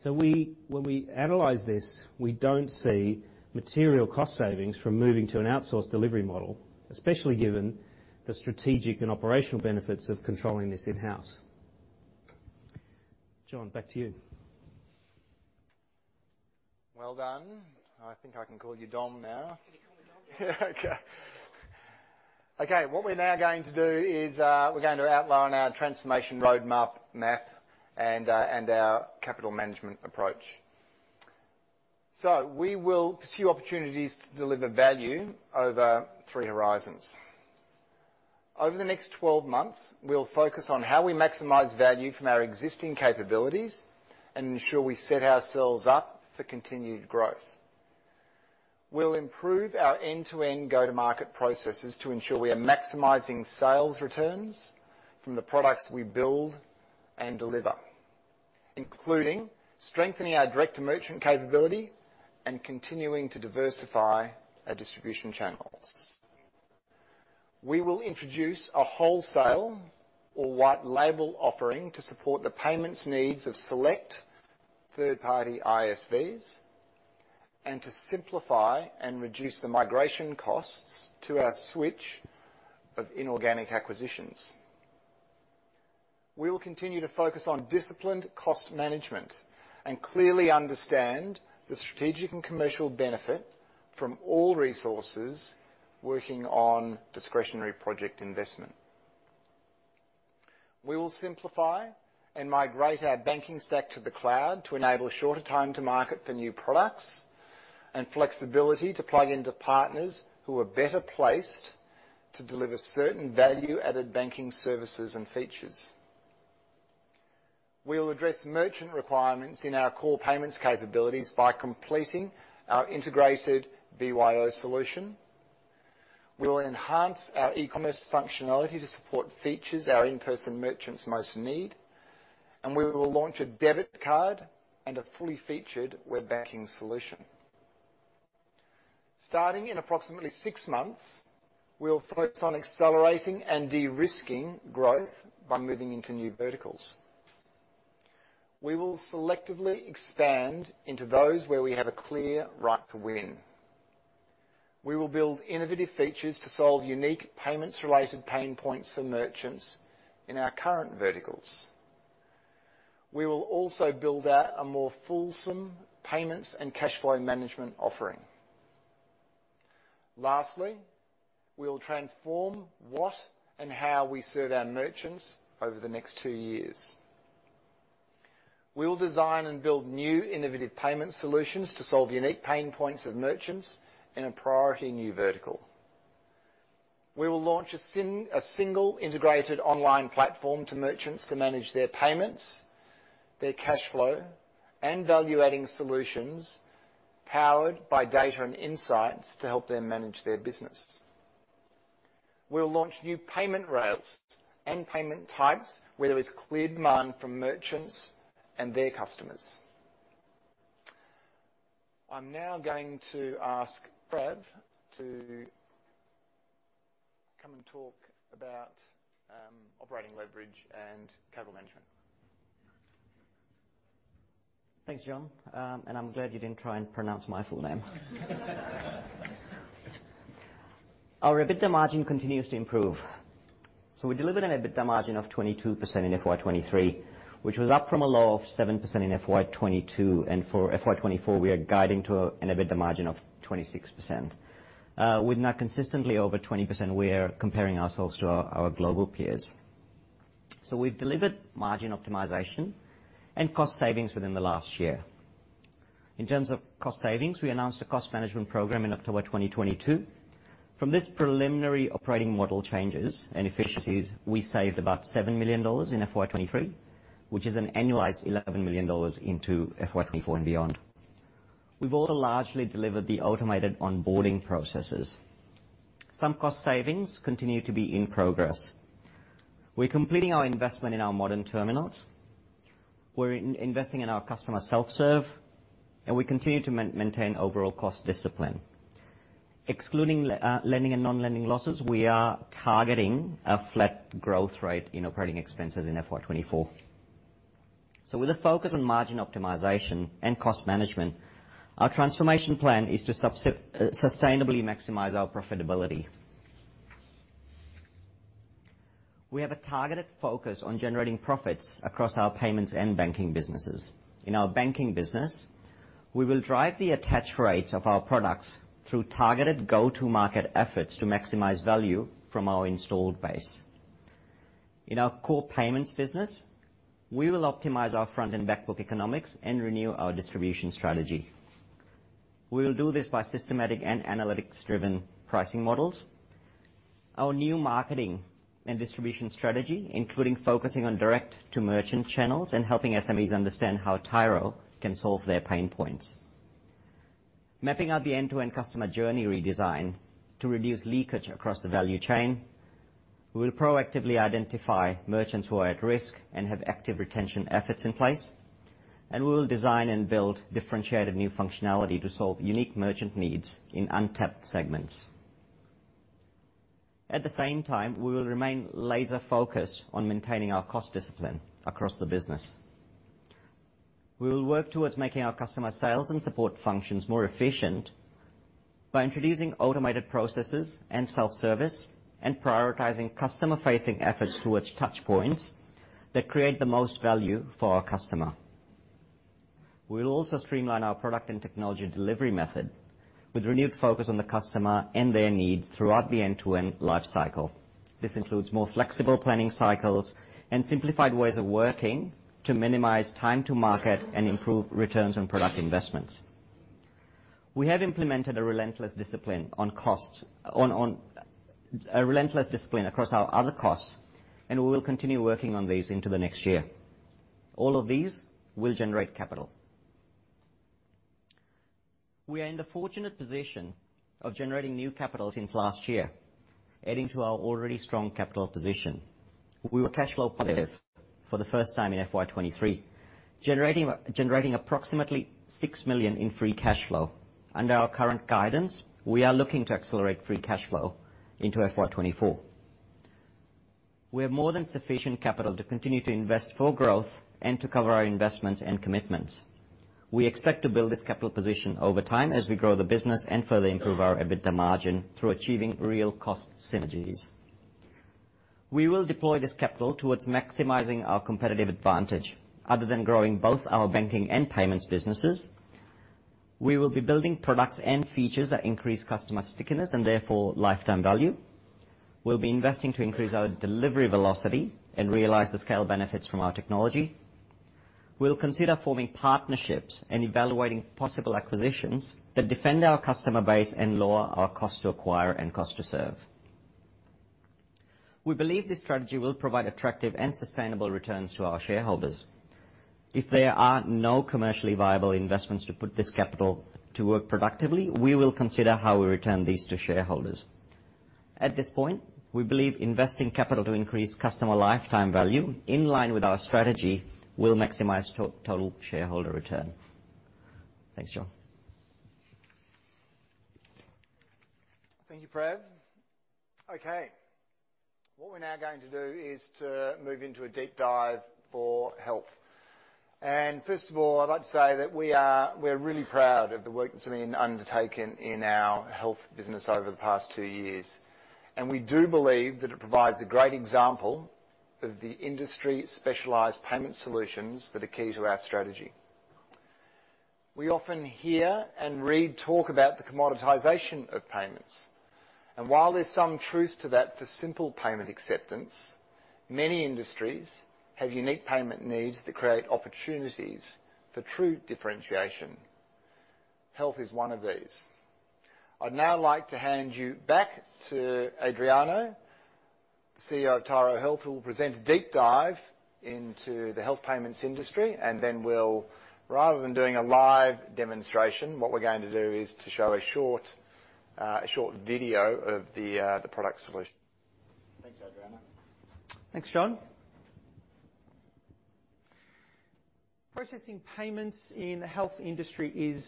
Speaker 5: So when we analyze this, we don't see material cost savings from moving to an outsourced delivery model, especially given the strategic and operational benefits of controlling this in-house. Jon, back to you.
Speaker 1: Well done. I think I can call you Dom now.
Speaker 5: You can call me Dom.
Speaker 1: Okay. Okay, what we're now going to do is, we're going to outline our transformation roadmap, map, and, and our capital management approach. So we will pursue opportunities to deliver value over three horizons. Over the next 12 months, we'll focus on how we maximize value from our existing capabilities and ensure we set ourselves up for continued growth. We'll improve our end-to-end go-to-market processes to ensure we are maximizing sales returns from the products we build and deliver, including strengthening our direct-to-merchant capability and continuing to diversify our distribution channels. We will introduce a wholesale or white label offering to support the payments needs of select third-party ISVs, and to simplify and reduce the migration costs to our switch of inorganic acquisitions. We will continue to focus on disciplined cost management and clearly understand the strategic and commercial benefit from all resources working on discretionary project investment. We will simplify and migrate our banking stack to the cloud to enable shorter time to market for new products, and flexibility to plug into partners who are better placed to deliver certain value-added banking services and features. We will address merchant requirements in our core payments capabilities by completing our integrated BYO solution. We will enhance our e-commerce functionality to support features our in-person merchants most need, and we will launch a debit card and a fully featured web banking solution. Starting in approximately six months, we'll focus on accelerating and de-risking growth by moving into new verticals. We will selectively expand into those where we have a clear right to win. We will build innovative features to solve unique payments-related pain points for merchants in our current verticals. We will also build out a more fulsome payments and cash flow management offering. Lastly, we will transform what and how we serve our merchants over the next two years. We will design and build new innovative payment solutions to solve unique pain points of merchants in a priority new vertical. We will launch a single, integrated online platform to merchants to manage their payments, their cash flow, and value-adding solutions, powered by data and insights to help them manage their business. We'll launch new payment rails and payment types where there is clear demand from merchants and their customers. I'm now going to ask Prav to come and talk about operating leverage and capital management.
Speaker 7: Thanks, Jon. I'm glad you didn't try and pronounce my full name. Our EBITDA margin continues to improve. We delivered an EBITDA margin of 22% in FY23, which was up from a low of 7% in FY22, and for FY24, we are guiding to an EBITDA margin of 26%. We're now consistently over 20%, we are comparing ourselves to our global peers. We've delivered margin optimization and cost savings within the last year. In terms of cost savings, we announced a cost management program in October 2022. From this preliminary operating model changes and efficiencies, we saved about 7 million dollars in FY23, which is an annualized 11 million dollars into FY24 and beyond. We've also largely delivered the automated onboarding processes. Some cost savings continue to be in progress. We're completing our investment in our modern terminals, we're investing in our customer self-serve, and we continue to maintain overall cost discipline. Excluding lending and non-lending losses, we are targeting a flat growth rate in operating expenses in FY24. So with a focus on margin optimization and cost management, our transformation plan is to sustainably maximize our profitability. We have a targeted focus on generating profits across our payments and banking businesses. In our banking business, we will drive the attach rates of our products through targeted go-to-market efforts to maximize value from our installed base. In our core payments business, we will optimize our front and back book economics and renew our distribution strategy. We will do this by systematic and analytics-driven pricing models. Our new marketing and distribution strategy, including focusing on direct-to-merchant channels and helping SMEs understand how Tyro can solve their pain points. Mapping out the end-to-end customer journey redesign to reduce leakage across the value chain, we will proactively identify merchants who are at risk and have active retention efforts in place, and we will design and build differentiated new functionality to solve unique merchant needs in untapped segments. At the same time, we will remain laser focused on maintaining our cost discipline across the business. We will work towards making our customer sales and support functions more efficient by introducing automated processes and self-service, and prioritizing customer-facing efforts towards touchpoints that create the most value for our customer. We will also streamline our product and technology delivery method with renewed focus on the customer and their needs throughout the end-to-end life cycle. This includes more flexible planning cycles and simplified ways of working, to minimize time to market and improve returns on product investments. We have implemented a relentless discipline on costs. A relentless discipline across our other costs, and we will continue working on these into the next year. All of these will generate capital. We are in the fortunate position of generating new capital since last year, adding to our already strong capital position. We were cash flow positive for the first time in FY23, generating approximately 6 million in free cash flow. Under our current guidance, we are looking to accelerate free cash flow into FY24. We have more than sufficient capital to continue to invest for growth and to cover our investments and commitments. We expect to build this capital position over time as we grow the business and further improve our EBITDA margin through achieving real cost synergies. We will deploy this capital towards maximizing our competitive advantage other than growing both our banking and payments businesses. We will be building products and features that increase customer stickiness, and therefore lifetime value. We'll be investing to increase our delivery velocity and realize the scale benefits from our technology. We'll consider forming partnerships and evaluating possible acquisitions that defend our customer base and lower our cost to acquire and cost to serve. We believe this strategy will provide attractive and sustainable returns to our shareholders. If there are no commercially viable investments to put this capital to work productively, we will consider how we return these to shareholders. At this point, we believe investing capital to increase customer lifetime value, in line with our strategy, will maximize total shareholder return. Thanks, Jon.
Speaker 1: Thank you, Prav. Okay, what we're now going to do is to move into a deep dive for health. First of all, I'd like to say that we're really proud of the work that's been undertaken in our health business over the past two years, and we do believe that it provides a great example of the industry-specialized payment solutions that are key to our strategy. We often hear and read talk about the commoditization of payments, and while there's some truth to that for simple payment acceptance, many industries have unique payment needs that create opportunities for true differentiation. Health is one of these. I'd now like to hand you back to Adrian, CEO of Tyro Health, who will present a deep dive into the health payments industry, and then we'll, rather than doing a live demonstration, what we're going to do is to show a short, a short video of the, the product solution. Thanks, Adrian.
Speaker 4: Thanks, Jon. Processing payments in the health industry is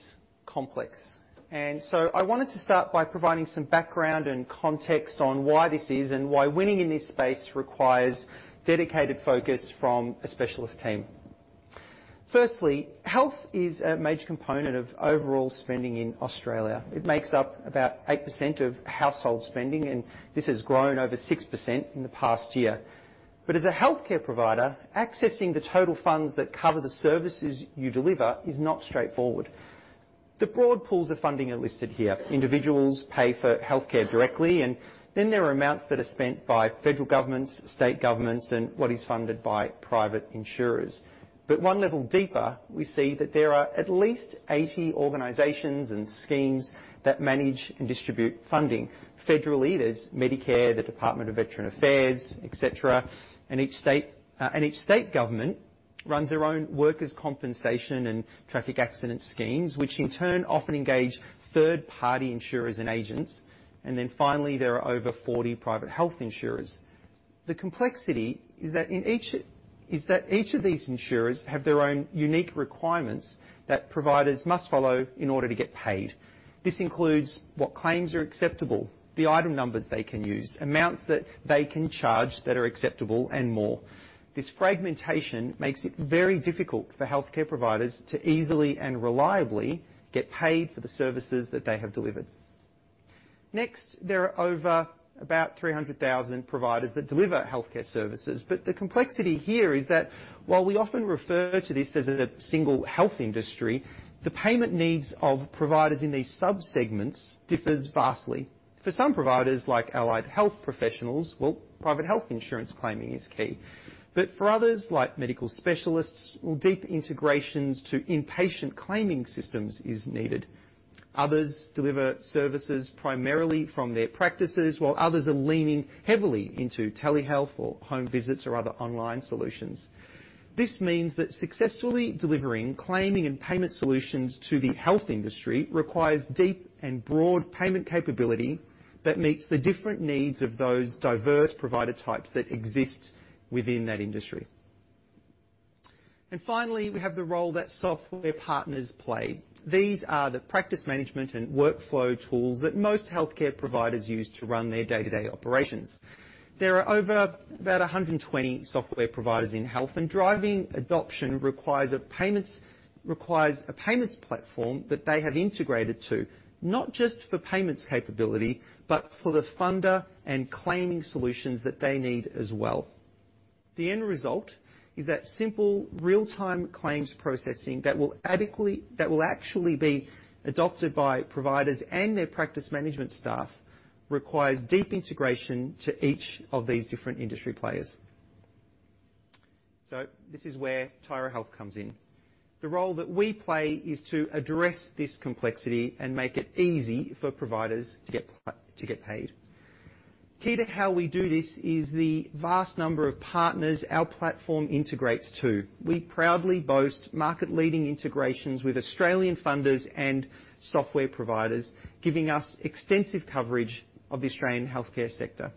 Speaker 4: complex, and so I wanted to start by providing some background and context on why this is and why winning in this space requires dedicated focus from a specialist team. Firstly, health is a major component of overall spending in Australia. It makes up about 8% of household spending, and this has grown over 6% in the past year. But as a healthcare provider, accessing the total funds that cover the services you deliver is not straightforward. The broad pools of funding are listed here. Individuals pay for healthcare directly, and then there are amounts that are spent by federal governments, state governments, and what is funded by private insurers. But one level deeper, we see that there are at least 80 organizations and schemes that manage and distribute funding. Federally, there's Medicare, the Department of Veterans' Affairs, etc., and each state and each state government runs their own workers' compensation and traffic accident schemes, which in turn often engage third-party insurers and agents. Then finally, there are over 40 private health insurers. The complexity is that each of these insurers have their own unique requirements that providers must follow in order to get paid. This includes what claims are acceptable, the item numbers they can use, amounts that they can charge that are acceptable, and more. This fragmentation makes it very difficult for healthcare providers to easily and reliably get paid for the services that they have delivered. Next, there are over about 300,000 providers that deliver healthcare services, but the complexity here is that while we often refer to this as a single health industry, the payment needs of providers in these subsegments differs vastly. For some providers, like allied health professionals, well, private health insurance claiming is key, but for others, like medical specialists, well, deep integrations to inpatient claiming systems is needed. Others deliver services primarily from their practices, while others are leaning heavily into telehealth or home visits or other online solutions. This means that successfully delivering, claiming, and payment solutions to the health industry requires deep and broad payment capability that meets the different needs of those diverse provider types that exist within that industry. Finally, we have the role that software partners play. These are the practice management and workflow tools that most healthcare providers use to run their day-to-day operations. There are over about 120 software providers in health, and driving adoption requires a payments, requires a payments platform that they have integrated to, not just for payments capability, but for the funder and claiming solutions that they need as well. The end result is that simple, real-time claims processing that will actually be adopted by providers and their practice management staff, requires deep integration to each of these different industry players. So this is where Tyro Health comes in. The role that we play is to address this complexity and make it easy for providers to get to get paid. Key to how we do this is the vast number of partners our platform integrates to. We proudly boast market-leading integrations with Australian funders and software providers, giving us extensive coverage of the Australian healthcare sector.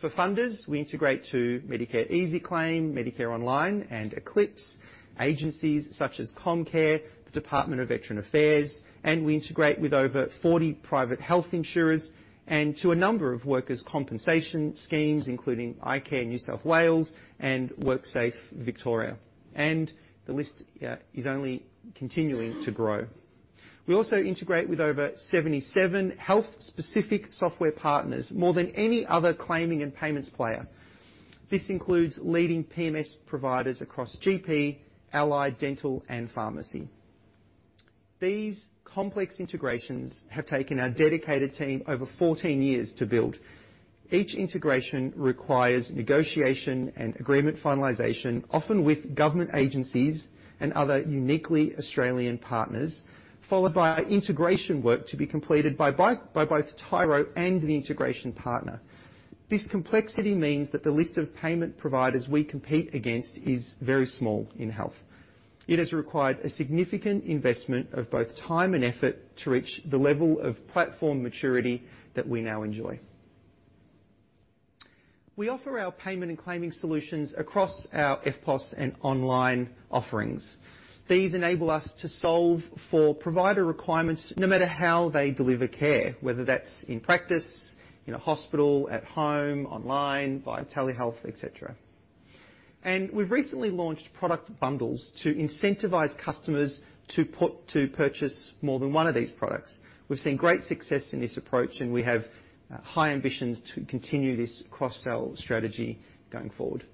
Speaker 4: For funders, we integrate to Medicare Easyclaim, Medicare Online, and Medicare ECLIPSE, agencies such as Comcare, the Department of Veterans' Affairs, and we integrate with over 40 private health insurers and to a number of workers' compensation schemes, including icare NSW and WorkSafe Victoria. The list is only continuing to grow. We also integrate with over 77 health-specific software partners, more than any other claiming and payments player. This includes leading PMS providers across GP, allied dental, and pharmacy. These complex integrations have taken our dedicated team over 14 years to build. Each integration requires negotiation and agreement finalization, often with government agencies and other uniquely Australian partners, followed by integration work to be completed by both Tyro and the integration partner. This complexity means that the list of payment providers we compete against is very small in health. It has required a significant investment of both time and effort to reach the level of platform maturity that we now enjoy. We offer our payment and claiming solutions across our EFTPOS and online offerings. These enable us to solve for provider requirements, no matter how they deliver care, whether that's in practice, in a hospital, at home, online, via telehealth, et cetera. We've recently launched product bundles to incentivize customers to purchase more than one of these products. We've seen great success in this approach, and we have high ambitions to continue this cross-sell strategy going forward.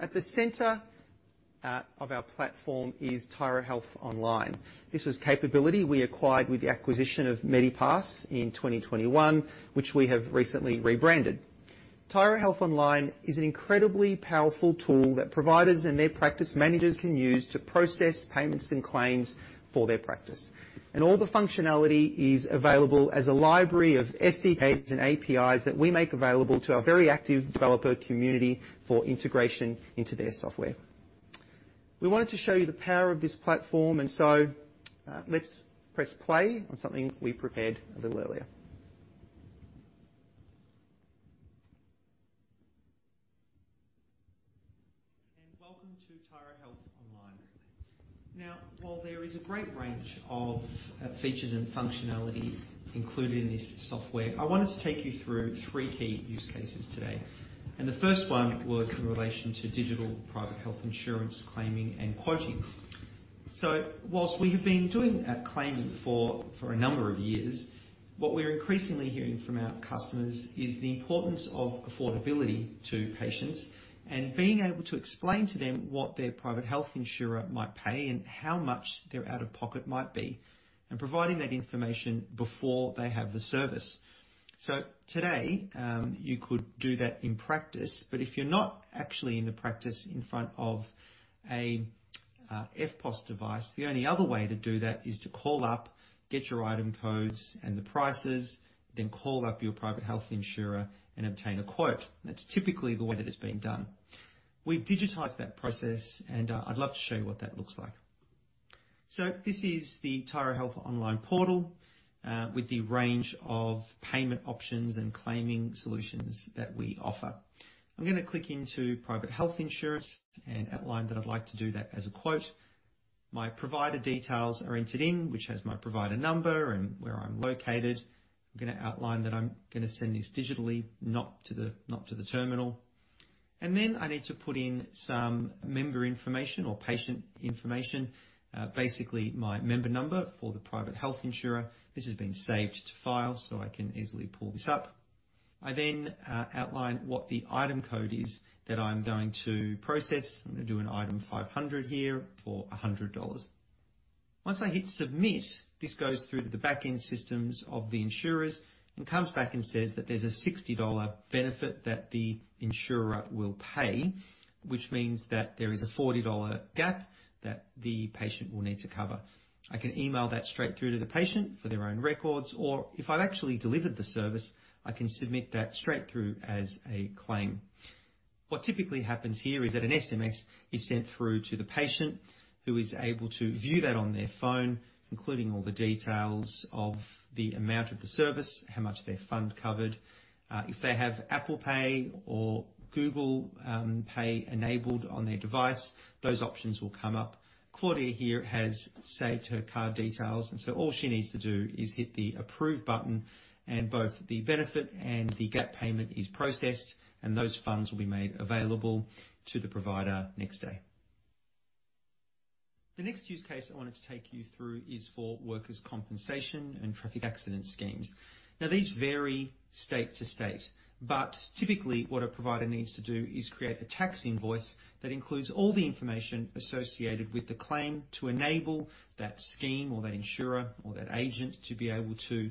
Speaker 4: At the center of our platform is Tyro Health Online. This was capability we acquired with the acquisition of Medipass in 2021, which we have recently rebranded. Tyro Health Online is an incredibly powerful tool that providers and their practice managers can use to process payments and claims for their practice. And all the functionality is available as a library of SDKs and APIs that we make available to our very active developer community for integration into their software. We wanted to show you the power of this platform, and so, let's press play on something we prepared a little earlier. And welcome to Tyro Health Online. Now, while there is a great range of, features and functionality included in this software, I wanted to take you through three key use cases today. And the first one was in relation to digital private health insurance, claiming, and quoting. So whilst we have been doing claiming for a number of years, what we're increasingly hearing from our customers is the importance of affordability to patients and being able to explain to them what their private health insurer might pay and how much their out-of-pocket might be, and providing that information before they have the service. So today you could do that in practice, but if you're not actually in the practice in front of a EFTPOS device, the only other way to do that is to call up, get your item codes and the prices, then call up your private health insurer and obtain a quote. That's typically the way that it's being done. We've digitized that process, and I'd love to show you what that looks like. So this is the Tyro Health Online portal with the range of payment options and claiming solutions that we offer. I'm gonna click into private health insurance and outline that I'd like to do that as a quote. My provider details are entered in, which has my provider number and where I'm located. I'm gonna outline that I'm gonna send this digitally, not to the, not to the terminal. And then I need to put in some member information or patient information, basically, my member number for the private health insurer. This has been saved to file, so I can easily pull this up. I then outline what the item code is that I'm going to process. I'm gonna do an item 500 here for 100 dollars. Once I hit submit, this goes through to the back-end systems of the insurers and comes back and says that there's an 60-dollar benefit that the insurer will pay, which means that there is a 40-dollar gap that the patient will need to cover. I can email that straight through to the patient for their own records, or if I've actually delivered the service, I can submit that straight through as a claim. What typically happens here is that an SMS is sent through to the patient, who is able to view that on their phone, including all the details of the amount of the service, how much their fund covered. If they have Apple Pay or Google Pay enabled on their device, those options will come up. Claudia here has saved her card details, and so all she needs to do is hit the Approve button, and both the benefit and the gap payment is processed, and those funds will be made available to the provider next day. The next use case I wanted to take you through is for workers' compensation and traffic accident schemes. Now, these vary state to state, but typically, what a provider needs to do is create a tax invoice that includes all the information associated with the claim to enable that scheme or that insurer or that agent to be able to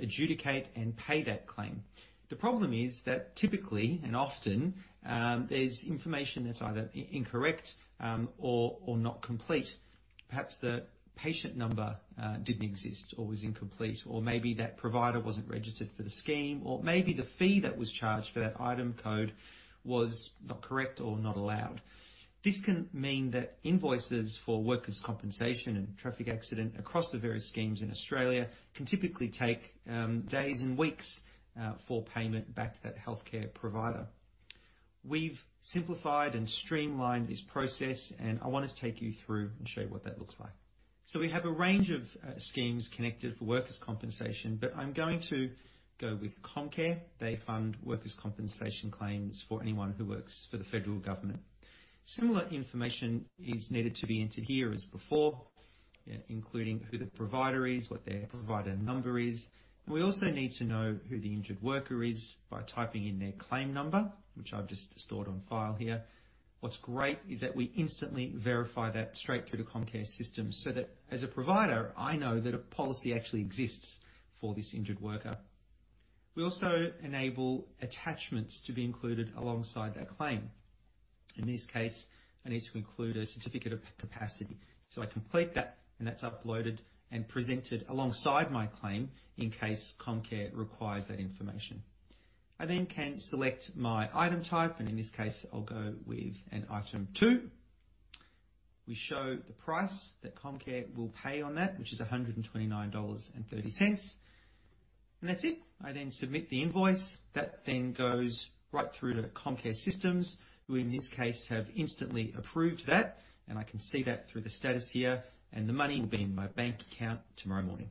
Speaker 4: adjudicate and pay that claim. The problem is that typically and often, there's information that's either incorrect, or not complete. Perhaps the patient number didn't exist or was incomplete, or maybe that provider wasn't registered for the scheme, or maybe the fee that was charged for that item code was not correct or not allowed. This can mean that invoices for workers' compensation and traffic accident across the various schemes in Australia can typically take days and weeks for payment back to that healthcare provider. We've simplified and streamlined this process, and I want to take you through and show you what that looks like. So we have a range of schemes connected for workers' compensation, but I'm going to go with Comcare. They fund workers' compensation claims for anyone who works for the federal government. Similar information is needed to be entered here as before, including who the provider is, what their provider number is. We also need to know who the injured worker is by typing in their claim number, which I've just stored on file here. What's great is that we instantly verify that straight through the Comcare system, so that as a provider, I know that a policy actually exists for this injured worker. We also enable attachments to be included alongside that claim. In this case, I need to include a certificate of capacity. So I complete that, and that's uploaded and presented alongside my claim in case Comcare requires that information. I then can select my item type, and in this case, I'll go with an item 2. We show the price that Comcare will pay on that, which is 129.30 dollars. That's it. I then submit the invoice. That then goes right through to Comcare systems, who in this case have instantly approved that, and I can see that through the status here and the money will be in my bank account tomorrow morning.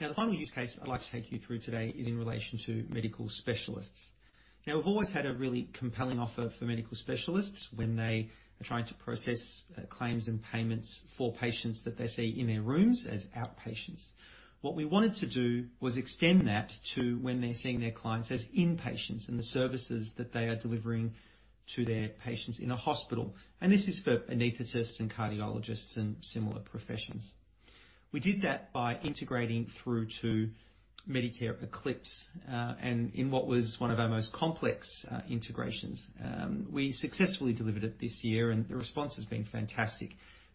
Speaker 4: Now, the final use case I'd like to take you through today is in relation to medical specialists. Now, we've always had a really compelling offer for medical specialists when they are trying to process claims and payments for patients that they see in their rooms as outpatients. What we wanted to do was extend that to when they're seeing their clients as inpatients and the services that they are delivering to their patients in a hospital. This is for anesthetists and cardiologists and similar professions. We did that by integrating through to Medicare ECLIPSE and in what was one of our most complex integrations. We successfully delivered it this year, and the response has been fantastic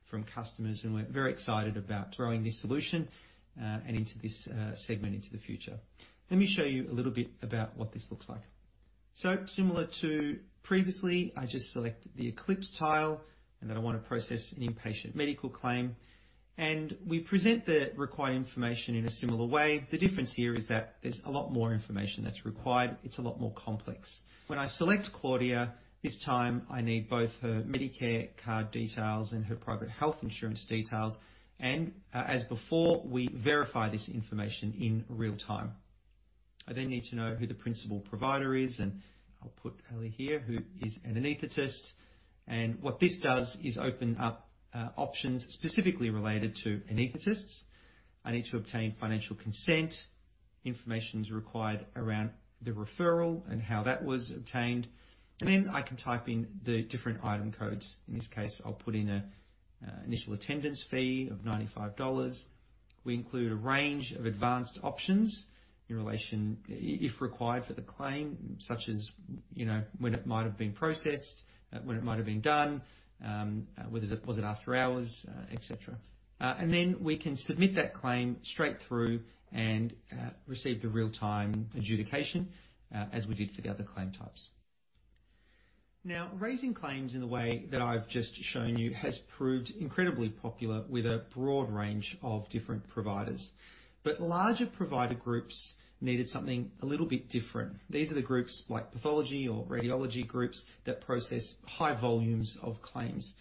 Speaker 4: from customers, and we're very excited about growing this solution, and into this segment into the future. Let me show you a little bit about what this looks like. So similar to previously, I just select the ECLIPSE tile, and that I want to process an inpatient medical claim, and we present the required information in a similar way. The difference here is that there's a lot more information that's required. It's a lot more complex. When I select Claudia, this time, I need both her Medicare card details and her private health insurance details, and, as before, we verify this information in real time. I then need to know who the principal provider is, and I'll put Ellie here, who is an anesthetist. What this does is open up options specifically related to anesthetists. I need to obtain financial consent. Information is required around the referral and how that was obtained, and then I can type in the different item codes. In this case, I'll put in a initial attendance fee of 95 dollars. We include a range of advanced options in relation to if required for the claim, such as, you know, when it might have been processed, when it might have been done, whether it was after hours, et cetera. And then we can submit that claim straight through and receive the real-time adjudication, as we did for the other claim types. Now, raising claims in the way that I've just shown you has proved incredibly popular with a broad range of different providers. But larger provider groups needed something a little bit different. These are the groups like pathology or radiology groups that process high volumes of claims.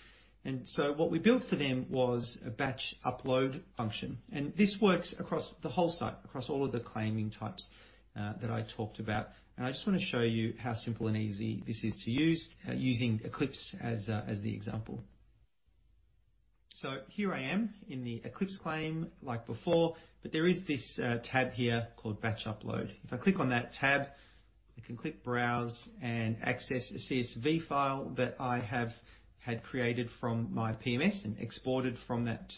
Speaker 4: And so what we built for them was a batch upload function, and this works across the whole site, across all of the claiming types, that I talked about. And I just want to show you how simple and easy this is to use, using ECLIPSE as, as the example. So here I am in the ECLIPSE claim, like before, but there is this, tab here called Batch Upload. If I click on that tab, I can click Browse and access a CSV file that I have had created from my PMS and exported from that,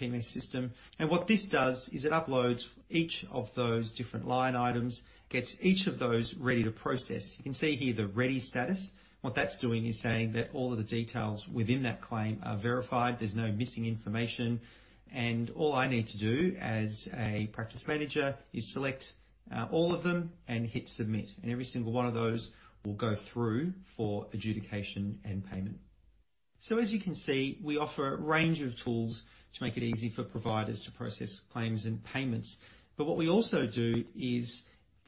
Speaker 4: PMS system. And what this does is it uploads each of those different line items, gets each of those ready to process. You can see here the ready status. What that's doing is saying that all of the details within that claim are verified, there's no missing information, and all I need to do as a practice manager is select all of them and hit Submit, and every single one of those will go through for adjudication and payment. So as you can see, we offer a range of tools to make it easy for providers to process claims and payments. But what we also do is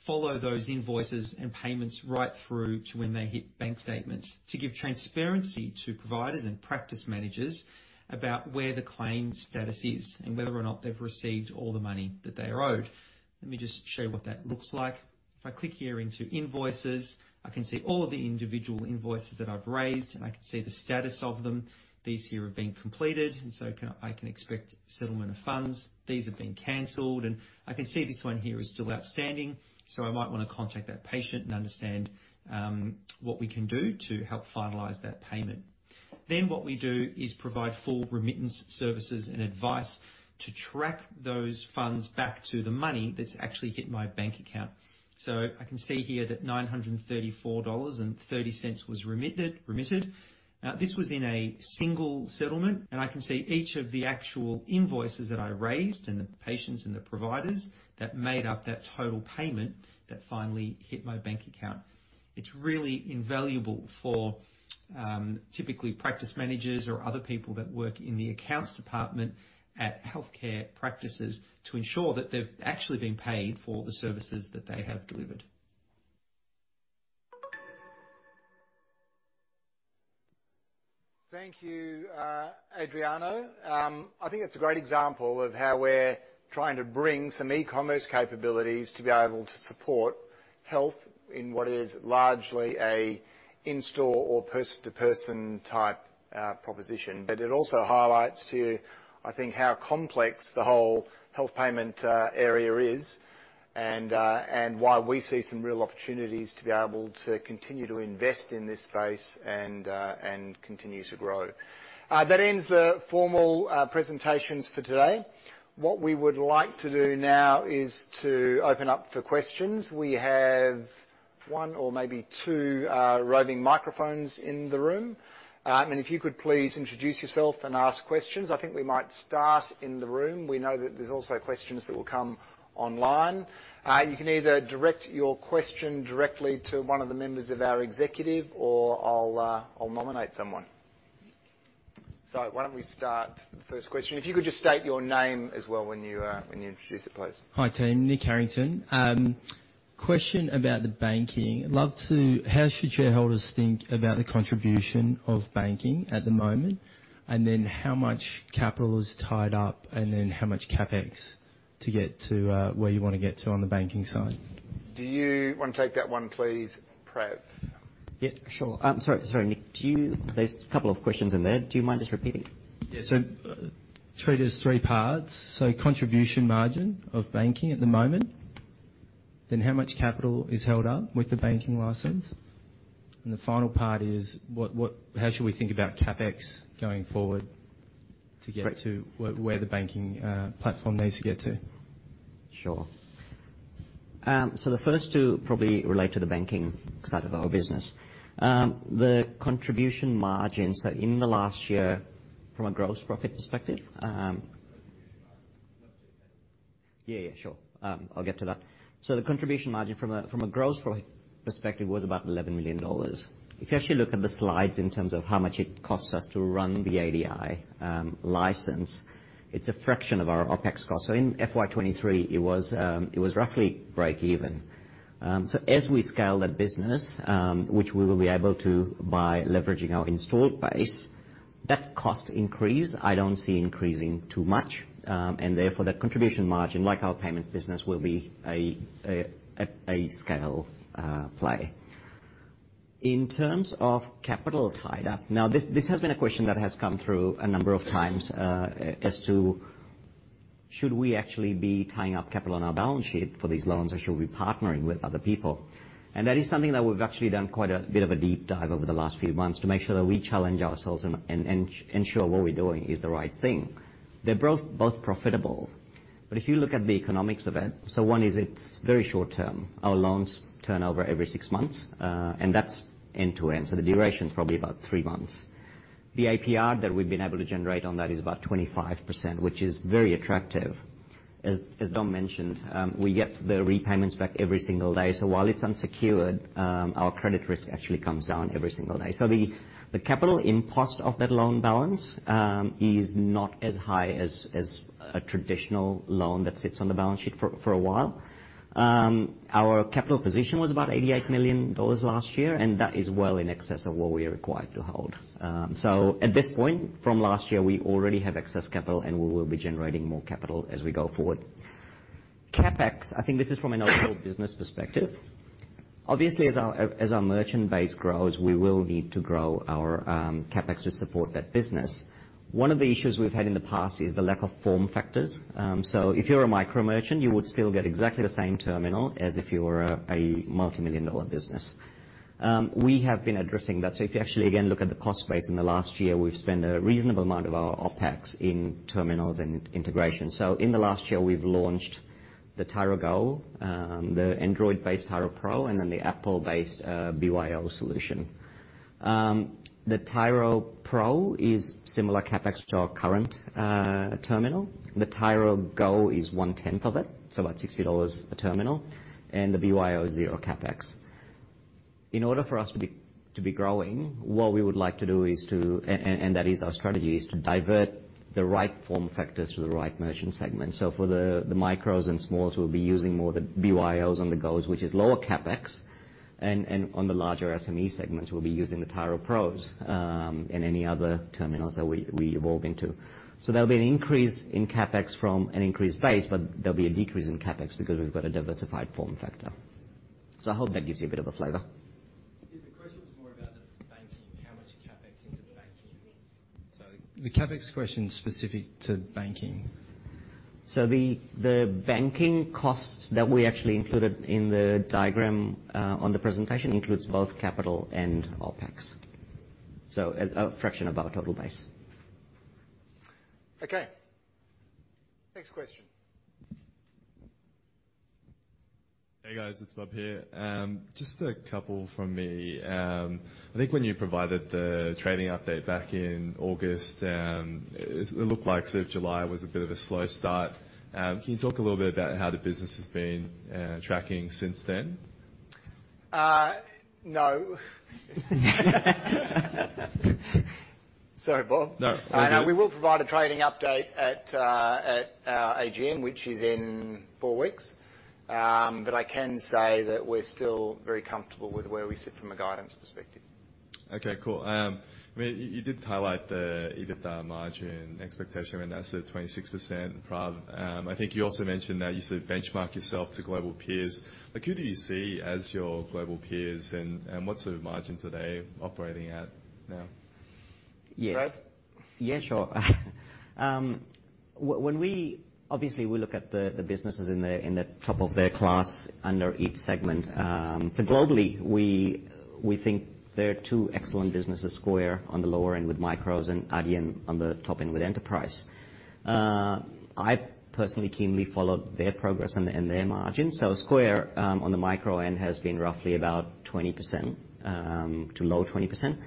Speaker 4: follow those invoices and payments right through to when they hit bank statements, to give transparency to providers and practice managers about where the claim status is and whether or not they've received all the money that they are owed. Let me just show you what that looks like. If I click here into Invoices, I can see all of the individual invoices that I've raised, and I can see the status of them. These here have been completed, and so I can expect settlement of funds. These have been canceled, and I can see this one here is still outstanding. So I might want to contact that patient and understand what we can do to help finalize that payment. Then what we do is provide full remittance services and advice to track those funds back to the money that's actually hit my bank account. So I can see here that 934.30 dollars was remitted. This was in a single settlement, and I can see each of the actual invoices that I raised, and the patients and the providers that made up that total payment that finally hit my bank account. It's really invaluable for, typically, practice managers or other people that work in the accounts department at healthcare practices to ensure that they've actually been paid for the services that they have delivered.
Speaker 1: Thank you, Adrian. I think it's a great example of how we're trying to bring some e-commerce capabilities to be able to support health in what is largely an in-store or person-to-person type, proposition. But it also highlights to, I think, how complex the whole health payment, area is, and, and why we see some real opportunities to be able to continue to invest in this space and, and continue to grow. That ends the formal, presentations for today. What we would like to do now is to open up for questions. We have one or maybe two, roving microphones in the room. And if you could please introduce yourself and ask questions. I think we might start in the room. We know that there's also questions that will come online. You can either direct your question directly to one of the members of our executive, or I'll nominate someone. So why don't we start the first question? If you could just state your name as well when you introduce it, please.
Speaker 8: Hi, team. Nick Harrington. Question about the banking. How should shareholders think about the contribution of banking at the moment? And then, how much capital is tied up, and then how much CapEx to get to, where you want to get to on the banking side?
Speaker 1: Do you want to take that one, please, Prav?
Speaker 7: Yeah, sure. Sorry. Sorry, Nick. There's a couple of questions in there. Do you mind just repeating?
Speaker 8: Yeah. So treat it as three parts. So contribution margin of banking at the moment, then how much capital is held up with the banking license? And the final part is, what, how should we think about CapEx going forward to get-
Speaker 7: Great
Speaker 8: To where, where the banking platform needs to get to?
Speaker 7: Sure. So the first two probably relate to the banking side of our business. The contribution margins, so in the last year, from a gross profit perspective,
Speaker 8: Yeah, yeah, sure. I'll get to that.
Speaker 7: So the contribution margin from a gross profit perspective was about 11 million dollars. If you actually look at the slides in terms of how much it costs us to run the ADI license, it's a fraction of our OpEx cost. So in FY23, it was roughly break even. So as we scale that business, which we will be able to by leveraging our installed base, that cost increase, I don't see increasing too much. And therefore, that contribution margin, like our payments business, will be a scale play. In terms of capital tied up, this has been a question that has come through a number of times, as to, should we actually be tying up capital on our balance sheet for these loans, or should we be partnering with other people? And that is something that we've actually done quite a bit of a deep dive over the last few months to make sure that we challenge ourselves and ensure what we're doing is the right thing. They're both profitable. But if you look at the economics of it, so one is, it's very short term. Our loans turn over every six months, and that's end to end, so the duration is probably about three months. The APR that we've been able to generate on that is about 25%, which is very attractive. As Dom mentioned, we get the repayments back every single day. So while it's unsecured, our credit risk actually comes down every single day. So the capital impost of that loan balance is not as high as a traditional loan that sits on the balance sheet for a while. Our capital position was about 88 million dollars last year, and that is well in excess of what we are required to hold. So at this point, from last year, we already have excess capital, and we will be generating more capital as we go forward. CapEx, I think this is from an overall business perspective. Obviously, as our merchant base grows, we will need to grow our CapEx to support that business. One of the issues we've had in the past is the lack of form factors. So if you're a micro merchant, you would still get exactly the same terminal as if you were a multimillion-dollar business. We have been addressing that. So if you actually, again, look at the cost base in the last year, we've spent a reasonable amount of our OpEx in terminals and integration. So in the last year, we've launched the Tyro Go, the Android-based Tyro Pro, and then the Apple-based BYO solution. The Tyro Pro is similar CapEx to our current terminal. The Tyro Go is one-tenth of it, so about 60 dollars a terminal, and the BYO, zero CapEx. In order for us to be growing, what we would like to do is to and that is our strategy, is to divert the right form factors to the right merchant segment. So for the micros and smalls, we'll be using more the BYOs and the Gos, which is lower CapEx. On the larger SME segments, we'll be using the Tyro Pros and any other terminals that we evolve into. So there'll be an increase in CapEx from an increased base, but there'll be a decrease in CapEx because we've got a diversified form factor. So I hope that gives you a bit of a flavor.
Speaker 8: Yeah, the question was more about the banking, how much CapEx into the banking? So the CapEx question is specific to banking.
Speaker 7: The banking costs that we actually included in the diagram on the presentation includes both capital and OpEx. As a fraction of our total base.
Speaker 1: Okay. Next question.
Speaker 9: Hey, guys, it's Bob here. Just a couple from me. I think when you provided the trading update back in August, it looked like July was a bit of a slow start. Can you talk a little bit about how the business has been tracking since then?
Speaker 1: No. Sorry, Bob.
Speaker 9: No.
Speaker 1: No, we will provide a trading update at AGM, which is in four weeks. But I can say that we're still very comfortable with where we sit from a guidance perspective.
Speaker 9: Okay, cool. I mean, you did highlight the EBITDA margin expectation, and that's at 26%, Prav. I think you also mentioned that you sort of benchmark yourself to global peers. Like, who do you see as your global peers, and what sort of margins are they operating at now?
Speaker 7: Yes.
Speaker 9: Prav?
Speaker 7: Yeah, sure. When we obviously look at the businesses in the top of their class under each segment. So globally, we think there are two excellent businesses, Square on the lower end with micros, and Adyen on the top end with enterprise. I personally keenly follow their progress and their margins. So Square on the micro end has been roughly about 20% to low 20%.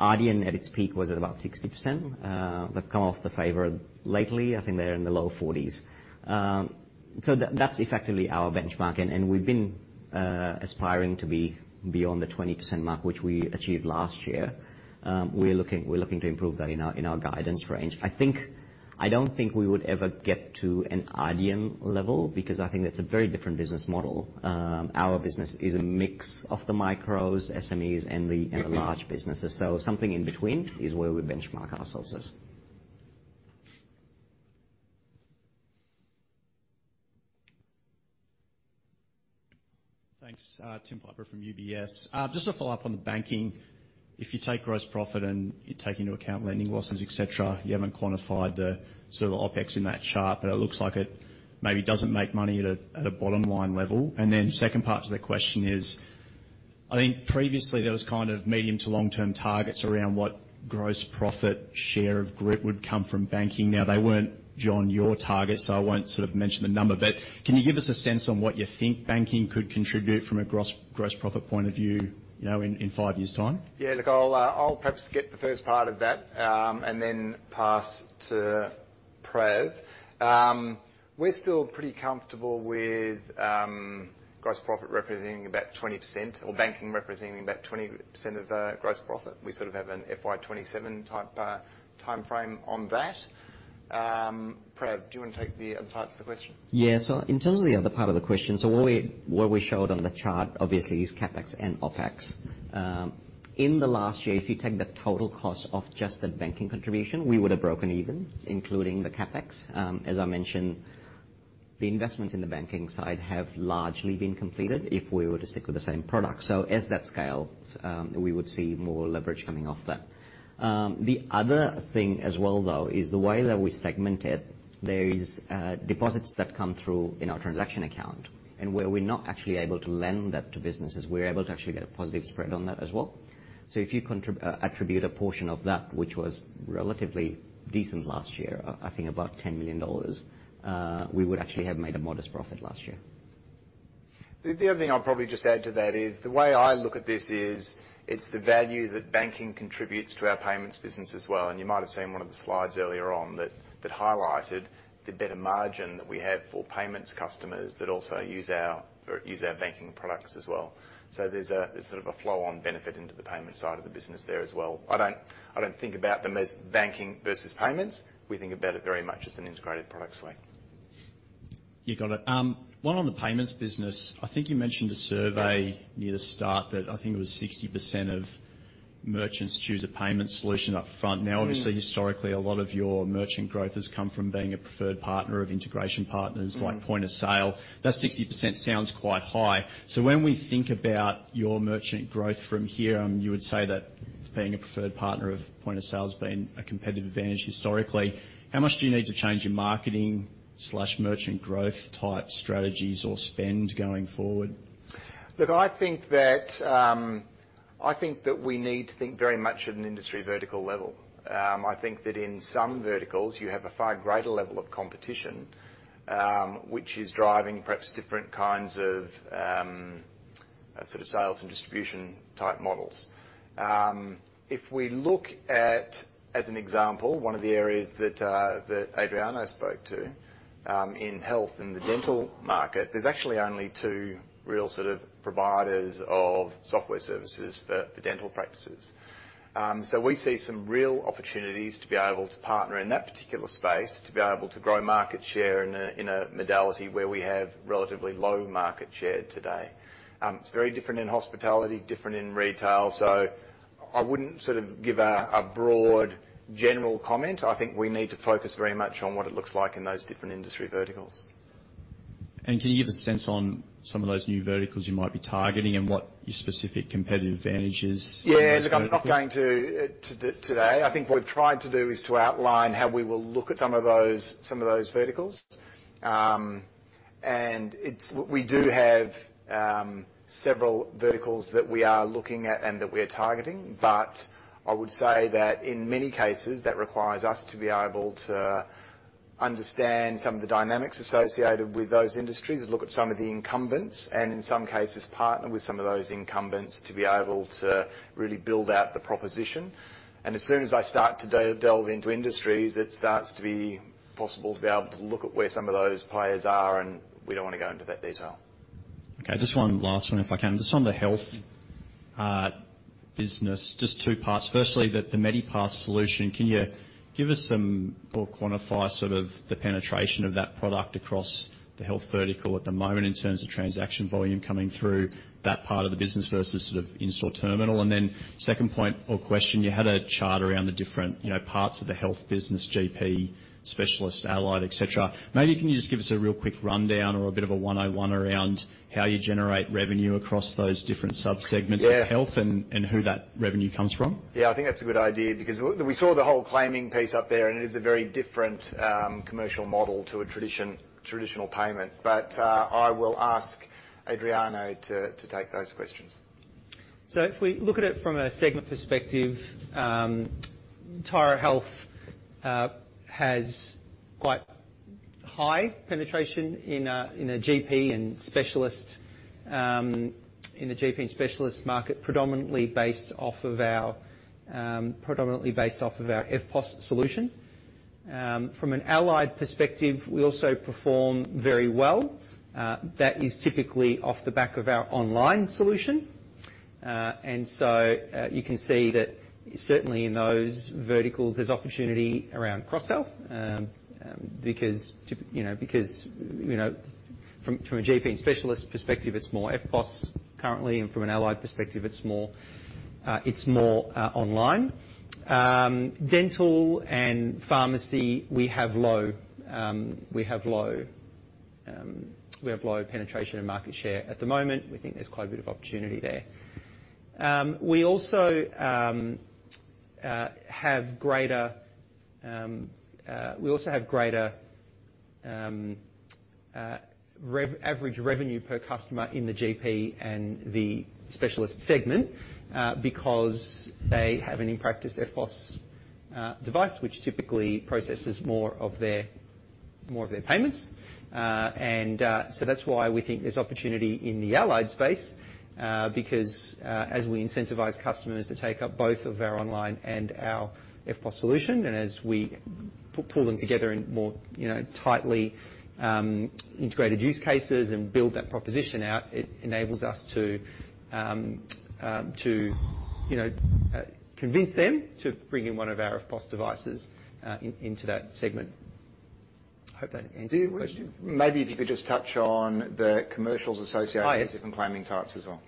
Speaker 7: Adyen, at its peak, was at about 60%. They've come off the favor lately. I think they're in the low 40s%. So that's effectively our benchmark, and we've been aspiring to be beyond the 20% mark, which we achieved last year. We're looking to improve that in our guidance range. I think, I don't think we would ever get to an Adyen level, because I think that's a very different business model. Our business is a mix of the micros, SMEs, and the, and the large businesses, so something in between is where we benchmark ourselves as.
Speaker 10: Thanks. Tim Piper from UBS. Just to follow up on the banking. If you take gross profit, and you take into account lending losses, et cetera, you haven't quantified the sort of OpEx in that chart, but it looks like it maybe doesn't make money at a bottom line level. Then second part to the question is, I think previously there was kind of medium to long-term targets around what gross profit share of GP would come from banking. Now, they weren't, Jon, your targets, so I won't sort of mention the number. But can you give us a sense on what you think banking could contribute from a gross, gross profit point of view, you know, in five years time?
Speaker 1: Yeah, look, I'll, I'll perhaps get the first part of that, and then pass to Prav. We're still pretty comfortable with gross profit representing about 20% or banking representing about 20% of the gross profit. We sort of have an FY27 type timeframe on that. Prav, do you want to take the other parts of the question?
Speaker 7: Yeah. So in terms of the other part of the question, so what we, what we showed on the chart obviously is CapEx and OpEx. In the last year, if you take the total cost of just the banking contribution, we would have broken even, including the CapEx. As I mentioned, the investments in the banking side have largely been completed if we were to stick with the same product. So as that scales, we would see more leverage coming off that. The other thing as well, though, is the way that we segment it, there is, deposits that come through in our transaction account, and where we're not actually able to lend that to businesses, we're able to actually get a positive spread on that as well. So if you contribute a portion of that, which was relatively decent last year, I think about 10 million dollars, we would actually have made a modest profit last year.
Speaker 1: The other thing I'll probably just add to that is, the way I look at this is, it's the value that banking contributes to our payments business as well. And you might have seen one of the slides earlier on that, that highlighted the better margin that we have for payments customers that also use our, or use our banking products as well. So there's sort of a flow-on benefit into the payment side of the business there as well. I don't think about them as banking versus payments. We think about it very much as an integrated product suite.
Speaker 10: You got it. One on the payments business. I think you mentioned a survey near the start that I think it was 60% of merchants choose a payment solution up front.
Speaker 1: Mm-hmm.
Speaker 10: Now, obviously, historically, a lot of your merchant growth has come from being a preferred partner of integration partners-
Speaker 1: Mm-hmm.
Speaker 10: like point of sale. That 60% sounds quite high. So when we think about your merchant growth from here, you would say that being a preferred partner of point of sale has been a competitive advantage historically. How much do you need to change your marketing/merchant growth type strategies or spend going forward?
Speaker 1: Look, I think that we need to think very much at an industry vertical level. I think that in some verticals, you have a far greater level of competition, which is driving perhaps different kinds of sort of sales and distribution type models. If we look at, as an example, one of the areas that Adrian spoke to, in health, in the dental market, there's actually only two real sort of providers of software services for dental practices. So we see some real opportunities to be able to partner in that particular space, to be able to grow market share in a modality where we have relatively low market share today. It's very different in hospitality, different in retail, so I wouldn't sort of give a broad, general comment. I think we need to focus very much on what it looks like in those different industry verticals.
Speaker 10: Can you give a sense on some of those new verticals you might be targeting and what your specific competitive advantage is?
Speaker 1: Yeah, look, I'm not going to to do it today. I think what we've tried to do is to outline how we will look at some of those, some of those verticals. And it's we do have several verticals that we are looking at and that we're targeting, but I would say that in many cases, that requires us to be able to understand some of the dynamics associated with those industries, and look at some of the incumbents, and in some cases, partner with some of those incumbents to be able to really build out the proposition. And as soon as I start to delve into industries, it starts to be possible to be able to look at where some of those players are, and we don't want to go into that detail.
Speaker 10: Okay, just one last one, if I can. Just on the health business, just two parts. Firstly, the Medipass solution, can you give us some or quantify sort of the penetration of that product across the health vertical at the moment in terms of transaction volume coming through that part of the business versus sort of in-store terminal? And then second point or question, you had a chart around the different, you know, parts of the health business, GP, specialist, allied, et cetera. Maybe can you just give us a real quick rundown or a bit of a one-on-one around how you generate revenue across those different subsegments-
Speaker 1: Yeah
Speaker 10: -of health and who that revenue comes from?
Speaker 1: Yeah, I think that's a good idea because we saw the whole claiming piece up there, and it is a very different commercial model to a traditional payment. But, I will ask Adrian to take those questions.
Speaker 4: So if we look at it from a segment perspective, Tyro Health has quite high penetration in the GP and specialist market, predominantly based off of our EFTPOS solution. From an allied perspective, we also perform very well. That is typically off the back of our online solution. And so you can see that certainly in those verticals, there's opportunity around cross-sell. Because, you know, from a GP and specialist perspective, it's more EFTPOS currently, and from an allied perspective, it's more online. Dental and pharmacy, we have low penetration and market share at the moment. We think there's quite a bit of opportunity there. We also have greater average revenue per customer in the GP and the specialist segment, because they have an in-practice EFTPOS device, which typically processes more of their payments. And so that's why we think there's opportunity in the allied space, because as we incentivize customers to take up both of our online and our EFTPOS solution, and as we pull them together in more, you know, tightly integrated use cases and build that proposition out, it enables us to convince them to bring in one of our EFTPOS devices into that segment. I hope that answers your question.
Speaker 1: Maybe if you could just touch on the commercials associated-
Speaker 4: Oh, yes
Speaker 1: with the different claiming types as well.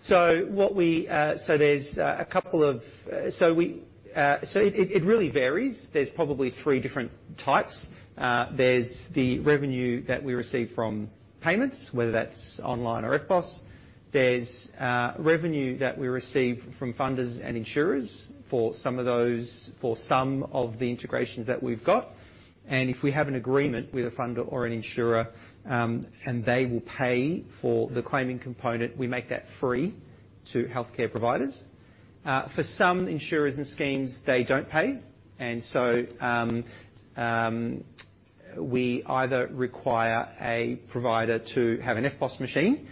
Speaker 4: So it really varies. There's probably three different types. There's the revenue that we receive from payments, whether that's online or EFTPOS. There's revenue that we receive from funders and insurers for some of those, for some of the integrations that we've got. And if we have an agreement with a funder or an insurer, and they will pay for the claiming component, we make that free to healthcare providers. For some insurers and schemes, they don't pay, and so we either require a provider to have an EFTPOS machine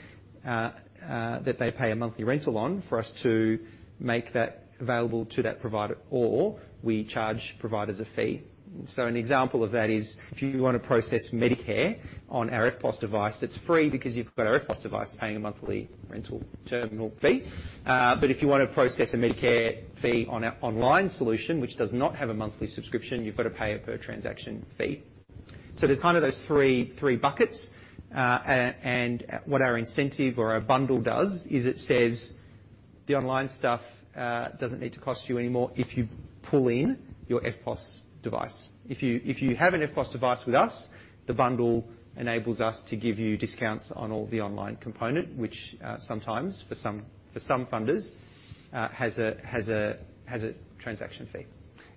Speaker 4: that they pay a monthly rental on for us to make that available to that provider, or we charge providers a fee. So an example of that is, if you want to process Medicare on our EFTPOS device, it's free because you've got an EFTPOS device paying a monthly rental terminal fee. But if you want to process a Medicare fee on our online solution, which does not have a monthly subscription, you've got to pay a per transaction fee. So there's kind of those three, three buckets. And what our incentive or our bundle does is it says, "The online stuff doesn't need to cost you any more if you pull in your EFTPOS device. If you have an EFTPOS device with us, the bundle enables us to give you discounts on all the online component," which sometimes for some funders has a transaction fee.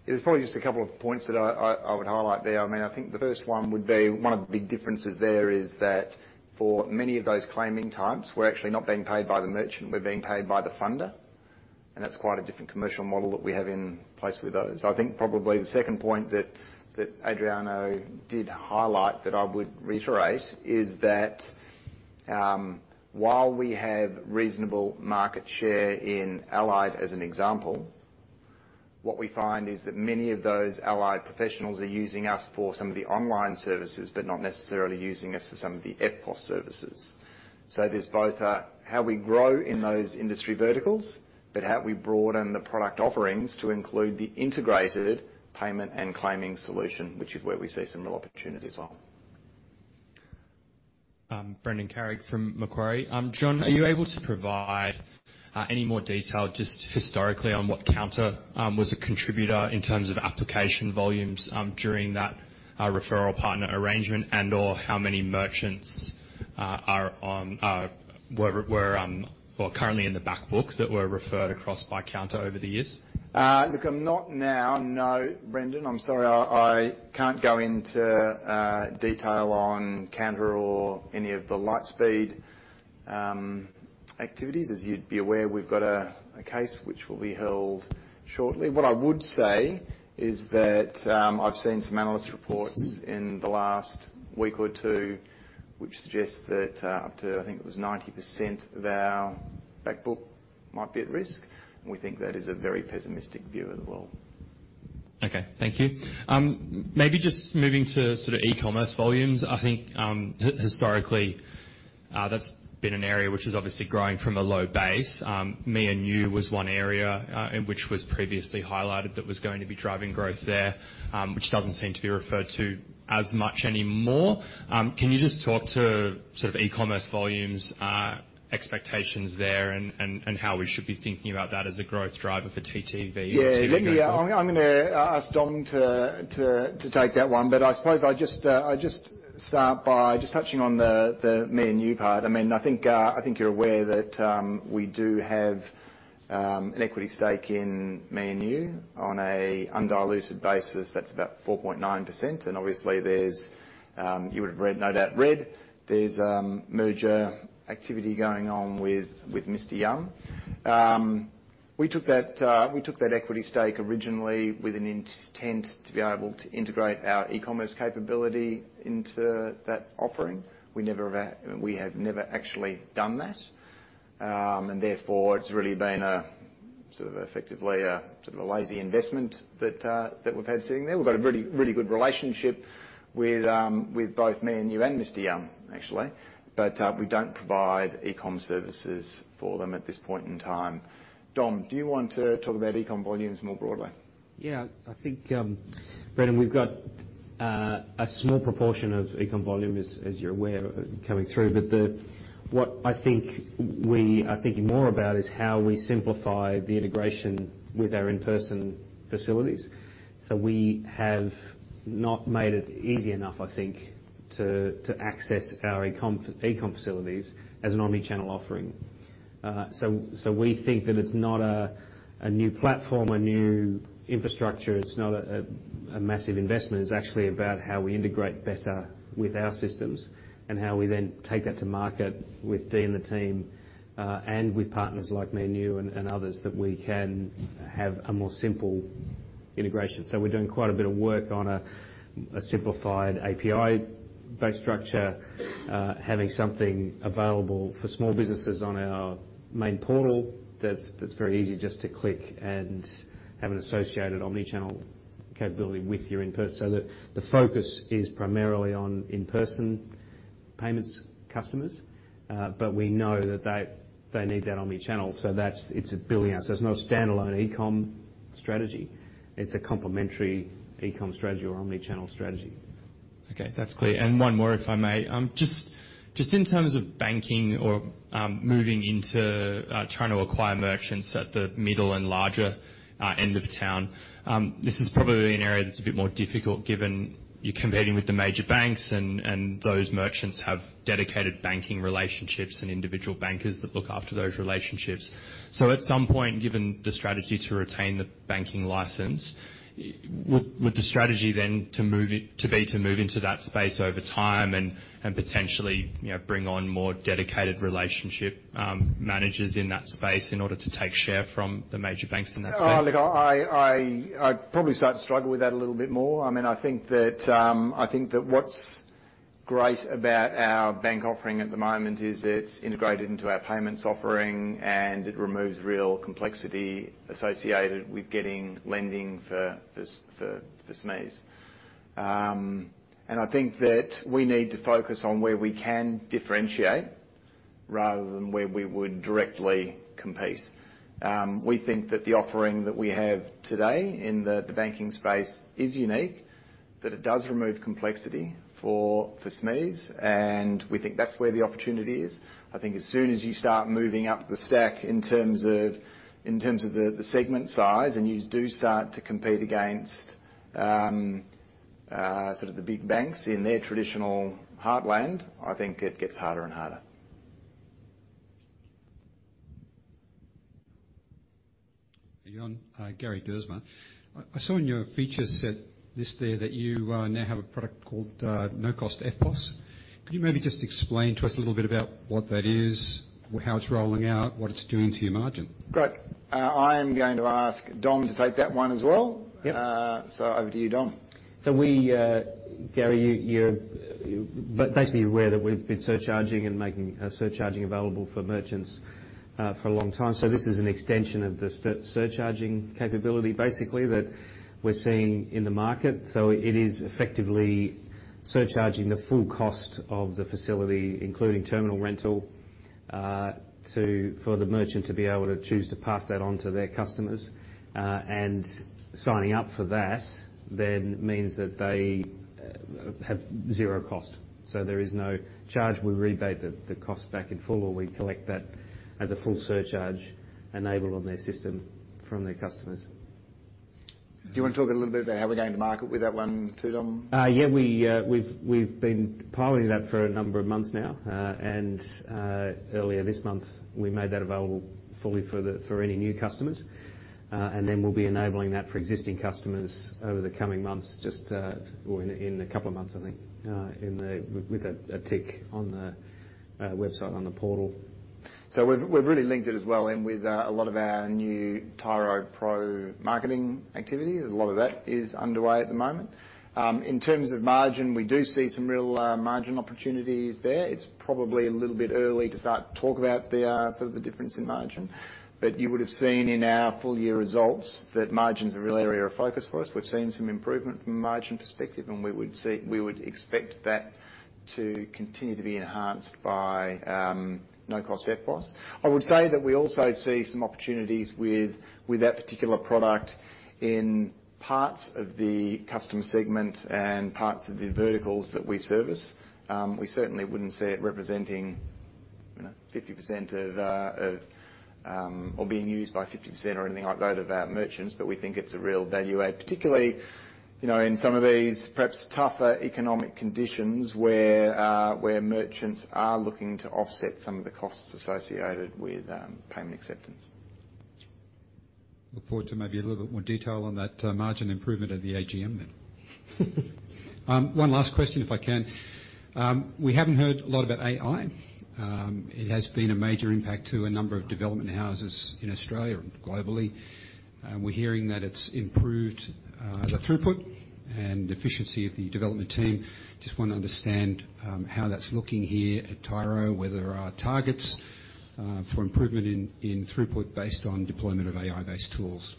Speaker 1: There's probably just a couple of points that I would highlight there. I mean, I think the first one would be, one of the big differences there is that for many of those claiming types, we're actually not being paid by the merchant, we're being paid by the funder, and that's quite a different commercial model that we have in place with those. I think probably the second point that Adrian did highlight, that I would reiterate, is that, while we have reasonable market share in allied, as an example, what we find is that many of those allied professionals are using us for some of the online services, but not necessarily using us for some of the EFTPOS services. So there's both how we grow in those industry verticals, but how we broaden the product offerings to include the integrated payment and claiming solution, which is where we see some real opportunity as well.
Speaker 11: Brendan Carrig from Macquarie. Jon, are you able to provide any more detail, just historically, on what Kounta was a contributor in terms of application volumes during that referral partner arrangement? And/or how many merchants were well currently in the back book that were referred across by Kounta over the years?
Speaker 1: Look, I'm not now. No, Brendan, I'm sorry, I, I can't go into detail on Kounta or any of the Lightspeed activities. As you'd be aware, we've got a case which will be held shortly. What I would say is that, I've seen some analyst reports in the last week or two, which suggest that, up to, I think it was 90% of our back book might be at risk, and we think that is a very pessimistic view of the world.
Speaker 11: Okay, thank you. Maybe just moving to sort of e-commerce volumes. I think, historically, that's been an area which is obviously growing from a low base. Me&u was one area, and which was previously highlighted that was going to be driving growth there, which doesn't seem to be referred to as much anymore. Can you just talk to sort of e-commerce volumes, expectations there, and, and, and how we should be thinking about that as a growth driver for TTV or TV going forward?
Speaker 1: Yeah, let me, I'm gonna ask Dom to take that one. But I suppose I just start by just touching on the me&u part. I mean, I think you're aware that we do have an equity stake in me&u. On an undiluted basis, that's about 4.9%, and obviously, you would have read, no doubt, there's merger activity going on with Mr Yum. We took that equity stake originally with an intent to be able to integrate our e-commerce capability into that offering. We never have. We have never actually done that. And therefore, it's really been a sort of effectively a sort of a lazy investment that we've had sitting there. We've got a really, really good relationship with both me&u and Mr Yum, actually. But we don't provide e-com services for them at this point in time. Dom, do you want to talk about e-com volumes more broadly?
Speaker 5: Yeah. I think, Brendan, we've got a small proportion of e-com volume, as you're aware, coming through. But what I think we are thinking more about is how we simplify the integration with our in-person facilities. So we have not made it easy enough, I think, to access our e-com facilities as an omni-channel offering. So we think that it's not a new platform, a new infrastructure. It's not a massive investment. It's actually about how we integrate better with our systems and how we then take that to market with Deanne and the team, and with partners like me&u and others, that we can have a more simple integration. So we're doing quite a bit of work on a simplified API-based structure, having something available for small businesses on our main portal that's very easy just to click and have an associated omni-channel capability with your in-person. So the focus is primarily on in-person payments customers, but we know that they need that omni-channel, so that's. It's a building out. So it's not a standalone e-com strategy. It's a complementary e-com strategy or omni-channel strategy.
Speaker 11: Okay, that's clear. And one more, if I may. Just, just in terms of banking or moving into trying to acquire merchants at the middle and larger end of town, this is probably an area that's a bit more difficult, given you're competing with the major banks, and, and those merchants have dedicated banking relationships and individual bankers that look after those relationships. So at some point, given the strategy to retain the banking license, would the strategy then to move to be, to move into that space over time and, and potentially, you know, bring on more dedicated relationship managers in that space in order to take share from the major banks in that space?
Speaker 1: Look, I'd probably start to struggle with that a little bit more. I mean, I think that what's great about our bank offering at the moment is it's integrated into our payments offering, and it removes real complexity associated with getting lending for SMEs. And I think that we need to focus on where we can differentiate rather than where we would directly compete. We think that the offering that we have today in the banking space is unique, that it does remove complexity for SMEs, and we think that's where the opportunity is. I think as soon as you start moving up the stack in terms of the segment size, and you do start to compete against sort of the big banks in their traditional heartland, I think it gets harder and harder.
Speaker 12: Hey, Jon. Garry Duursma. I saw in your feature set list there that you now have a product called No Cost EFTPOS. Could you maybe just explain to us a little bit about what that is, how it's rolling out, what it's doing to your margin?
Speaker 1: Great. I am going to ask Dom to take that one as well.
Speaker 5: Yep.
Speaker 1: Over to you, Dom.
Speaker 5: So we, Gary, you, you're basically aware that we've been surcharging and making surcharging available for merchants for a long time. So this is an extension of the surcharging capability, basically, that we're seeing in the market. So it is effectively surcharging the full cost of the facility, including terminal rental, for the merchant to be able to choose to pass that on to their customers. And signing up for that then means that they have zero cost. So there is no charge. We rebate the cost back in full, or we collect that as a full surcharge enabled on their system from their customers.
Speaker 1: Do you want to talk a little bit about how we're going to market with that one, too, Dom?
Speaker 5: Yeah, we've been piloting that for a number of months now. Earlier this month, we made that available fully for any new customers. Then we'll be enabling that for existing customers over the coming months, just or in a couple of months, I think, in the with a tick on the website on the portal.
Speaker 1: So we've really linked it as well in with a lot of our new Tyro Pro marketing activity. There's a lot of that is underway at the moment. In terms of margin, we do see some real margin opportunities there. It's probably a little bit early to start to talk about the sort of the difference in margin. But you would have seen in our full year results that margins are a real area of focus for us. We've seen some improvement from a margin perspective, and we would expect that to continue to be enhanced by No Cost EFTPOS. I would say that we also see some opportunities with that particular product in parts of the customer segment and parts of the verticals that we service. We certainly wouldn't see it representing, you know, 50% of or being used by 50% or anything like that of our merchants, but we think it's a real value add, particularly, you know, in some of these perhaps tougher economic conditions where merchants are looking to offset some of the costs associated with payment acceptance.
Speaker 12: Look forward to maybe a little bit more detail on that, margin improvement at the AGM, then. One last question, if I can. We haven't heard a lot about AI. It has been a major impact to a number of development houses in Australia and globally, and we're hearing that it's improved, the throughput and efficiency of the development team. Just want to understand, how that's looking here at Tyro, whether there are targets, for improvement in throughput based on deployment of AI-based tools.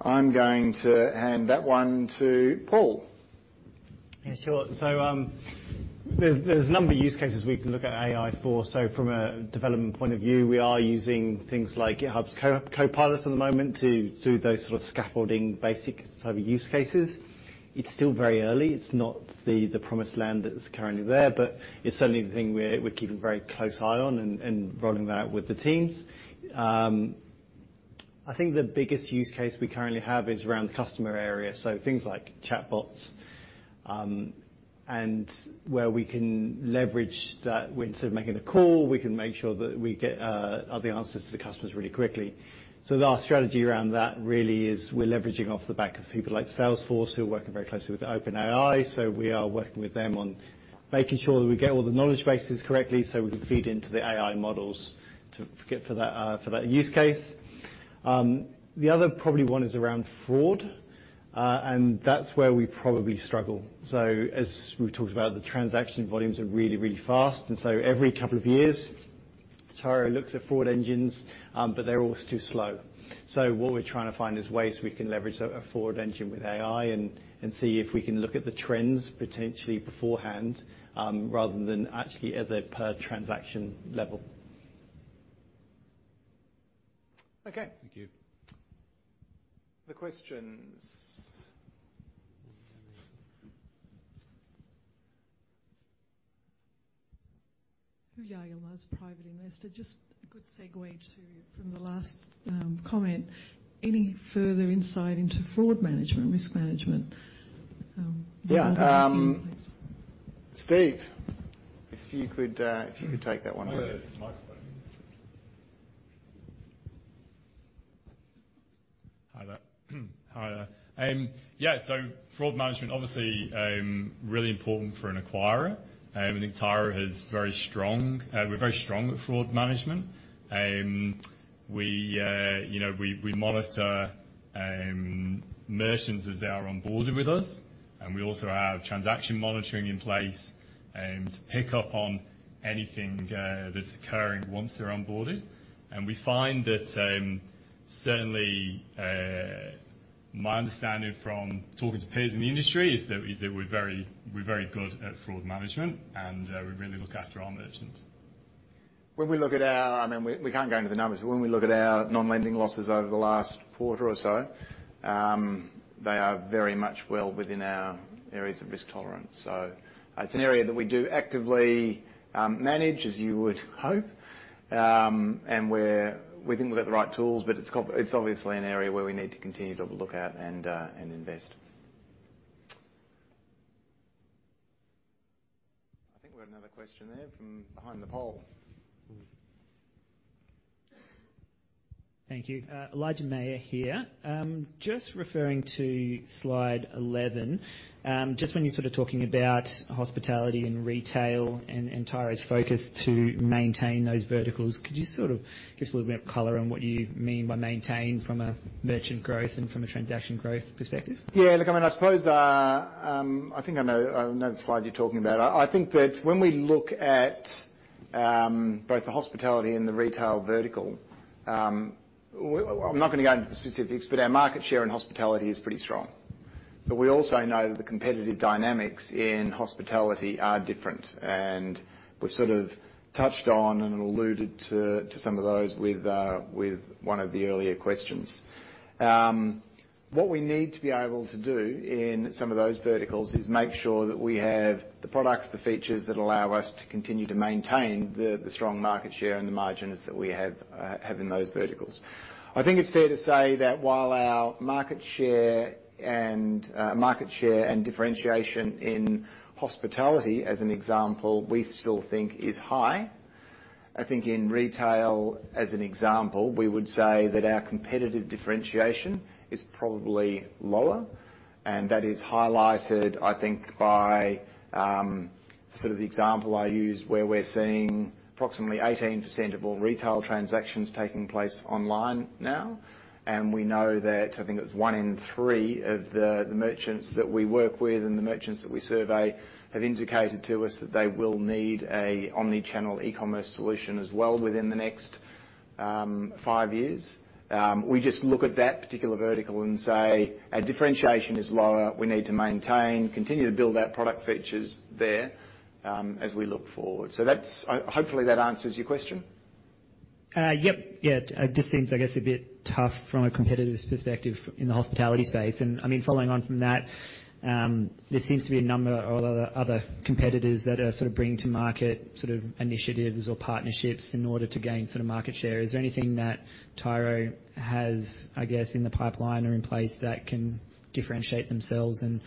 Speaker 1: I'm going to hand that one to Paul.
Speaker 6: Yeah, sure. So, there's a number of use cases we can look at AI for. So from a development point of view, we are using things like GitHub Copilot at the moment to do those sort of scaffolding, basic type of use cases. It's still very early. It's not the promised land that is currently there, but it's certainly the thing we're keeping a very close eye on and rolling that with the teams. I think the biggest use case we currently have is around the customer area, so things like chatbots, and where we can leverage that, when sort of making a call, we can make sure that we get all the answers to the customers really quickly. So our strategy around that really is we're leveraging off the back of people like Salesforce, who are working very closely with OpenAI. We are working with them on making sure that we get all the knowledge bases correctly, so we can feed into the AI models to get for that, for that use case. The other probably one is around fraud, and that's where we probably struggle. As we've talked about, the transaction volumes are really, really fast, and so every couple of years, Tyro looks at fraud engines, but they're always too slow. What we're trying to find is ways we can leverage a fraud engine with AI and see if we can look at the trends potentially beforehand, rather than actually at the per transaction level.
Speaker 1: Okay.
Speaker 12: Thank you.
Speaker 1: Other questions?
Speaker 13: Hugh Mays, private investor. Just a good segue to from the last, comment, any further insight into fraud management, risk management?
Speaker 1: Yeah. Steve, if you could, if you could take that one.
Speaker 14: There's a microphone. Hi there. Hi there. Yeah, so fraud management, obviously, really important for an acquirer. I think Tyro has very strong, we're very strong with fraud management. You know, we monitor merchants as they are onboarded with us, and we also have transaction monitoring in place to pick up on anything that's occurring once they're onboarded. And we find that certainly my understanding from talking to peers in the industry is that we're very good at fraud management, and we really look after our merchants.
Speaker 1: When we look at our, I mean, we can't go into the numbers, but when we look at our non-lending losses over the last quarter or so, they are very much well within our areas of risk tolerance. So it's an area that we do actively manage, as you would hope, and we think we've got the right tools, but it's obviously an area where we need to continue to look at and invest. I think we have another question there from behind the pole.
Speaker 15: Thank you. Elijah Mayr here. Just referring to Slide 11, just when you're sort of talking about hospitality and retail and, and Tyro's focus to maintain those verticals, could you sort of give us a little bit of color on what you mean by maintain from a merchant growth and from a transaction growth perspective?
Speaker 1: Yeah, look, I mean, I suppose, I think I know, I know the slide you're talking about. I think that when we look at both the hospitality and the retail vertical, I'm not going to go into the specifics, but our market share in hospitality is pretty strong. But we also know the competitive dynamics in hospitality are different, and we've sort of touched on and alluded to some of those with one of the earlier questions. What we need to be able to do in some of those verticals is make sure that we have the products, the features that allow us to continue to maintain the strong market share and the margins that we have in those verticals. I think it's fair to say that while our market share and market share and differentiation in hospitality, as an example, we still think is high. I think in retail, as an example, we would say that our competitive differentiation is probably lower, and that is highlighted, I think, by sort of the example I use, where we're seeing approximately 18% of all retail transactions taking place online now, and we know that, I think it's one in three of the merchants that we work with and the merchants that we survey, have indicated to us that they will need an omni-channel e-commerce solution as well within the next five years. We just look at that particular vertical and say, our differentiation is lower. We need to maintain, continue to build our product features there, as we look forward. So that's hopefully that answers your question.
Speaker 15: Yep. Yeah, it just seems, I guess, a bit tough from a competitor's perspective in the hospitality space. I mean, following on from that, there seems to be a number of other competitors that are sort of bringing to market sort of initiatives or partnerships in order to gain sort of market share. Is there anything that Tyro has, I guess, in the pipeline or in place that can differentiate themselves and